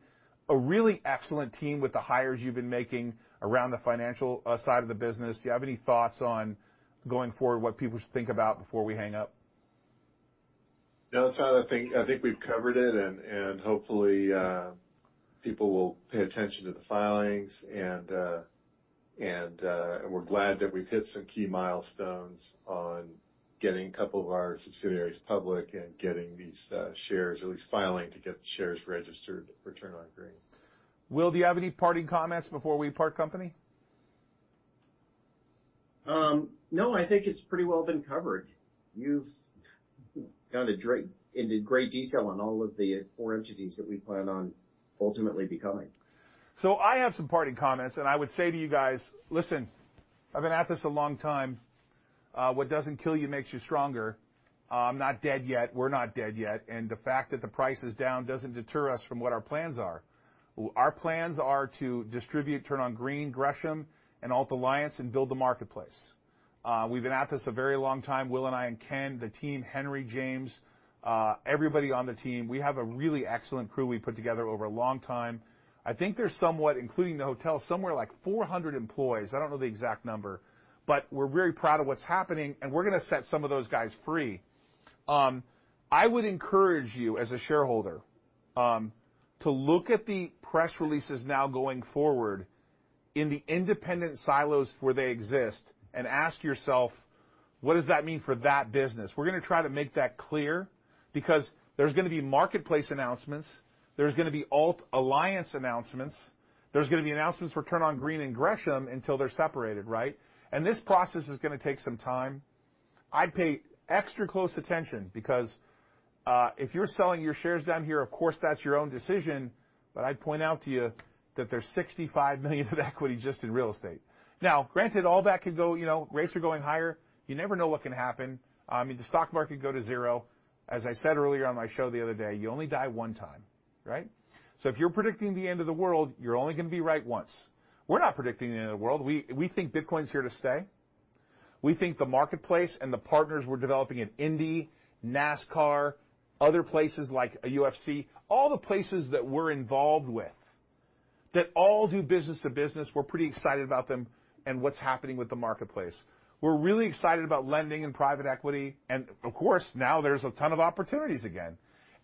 [SPEAKER 1] a really excellent team with the hires you've been making around the financial side of the business. Do you have any thoughts on going forward, what people should think about before we hang up?
[SPEAKER 3] No, Todd, I think we've covered it. Hopefully, people will pay attention to the filings. We're glad that we've hit some key milestones on getting a couple of our subsidiaries public and getting these shares, at least filing to get the shares registered for TurnOnGreen.
[SPEAKER 1] Will, do you have any parting comments before we part company?
[SPEAKER 4] No, I think it's pretty well been covered. You've gone into great detail on all of the four entities that we plan on ultimately becoming.
[SPEAKER 1] I have some parting comments, and I would say to you guys, listen, I've been at this a long time. What doesn't kill you makes you stronger. I'm not dead yet. We're not dead yet. The fact that the price is down doesn't deter us from what our plans are. Our plans are to distribute TurnOnGreen, Gresham Worldwide, and Ault Alliance and build the marketplace. We've been at this a very long time, Will and I and Ken, the team, Henry, James, everybody on the team. We have a really excellent crew we put together over a long time. I think there's somewhere, including the hotel, somewhere like 400 employees. I don't know the exact number, but we're very proud of what's happening, and we're gonna set some of those guys free. I would encourage you as a shareholder to look at the press releases now going forward in the independent silos where they exist and ask yourself, "What does that mean for that business?" We're gonna try to make that clear because there's gonna be marketplace announcements. There's gonna be Ault Alliance announcements. There's gonna be announcements for TurnOnGreen and Gresham until they're separated, right? This process is gonna take some time. I'd pay extra close attention because if you're selling your shares down here, of course, that's your own decision, but I'd point out to you that there's $65 million in equity just in real estate. Now, granted, all that could go, you know, rates are going higher. You never know what can happen. I mean, the stock market could go to zero. As I said earlier on my show the other day, you only die one time, right? If you're predicting the end of the world, you're only gonna be right once. We're not predicting the end of the world. We think Bitcoin's here to stay. We think the marketplace and the partners we're developing in IndyCar, NASCAR, other places like UFC, all the places that we're involved with that all do business to business, we're pretty excited about them and what's happening with the marketplace. We're really excited about lending and private equity and, of course, now there's a ton of opportunities again.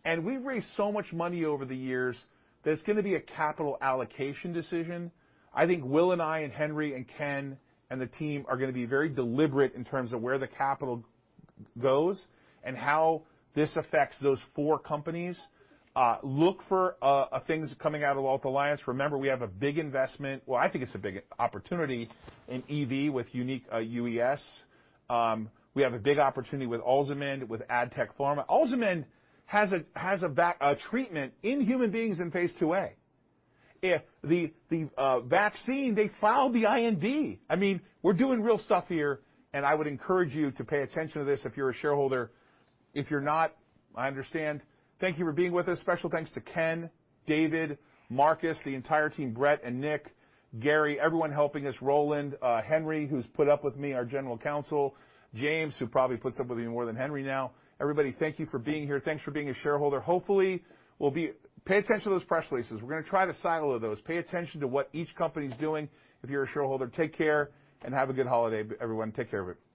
[SPEAKER 1] We've raised so much money over the years, there's gonna be a capital allocation decision. I think Will and I and Henry and Ken and the team are gonna be very deliberate in terms of where the capital goes and how this affects those four companies. Look for things coming out of Ault Alliance. Remember, we have a big investment. Well, I think it's a big opportunity in EV with Unique UES. We have a big opportunity with Alzamend, with AdTech Pharma. Alzamend has a treatment in human beings in phase IIa. If the vaccine, they filed the IND. I mean, we're doing real stuff here, and I would encourage you to pay attention to this if you're a shareholder. If you're not, I understand. Thank you for being with us. Special thanks to Ken, David, Marcus, the entire team, Brett and Nick, Gary, everyone helping us, Roland, Henry, who's put up with me, our general counsel, James, who probably puts up with me more than Henry now. Everybody, thank you for being here. Thanks for being a shareholder. Pay attention to those press releases. We're gonna try to silo those. Pay attention to what each company's doing if you're a shareholder. Take care, and have a good holiday, everyone. Take care, everyone.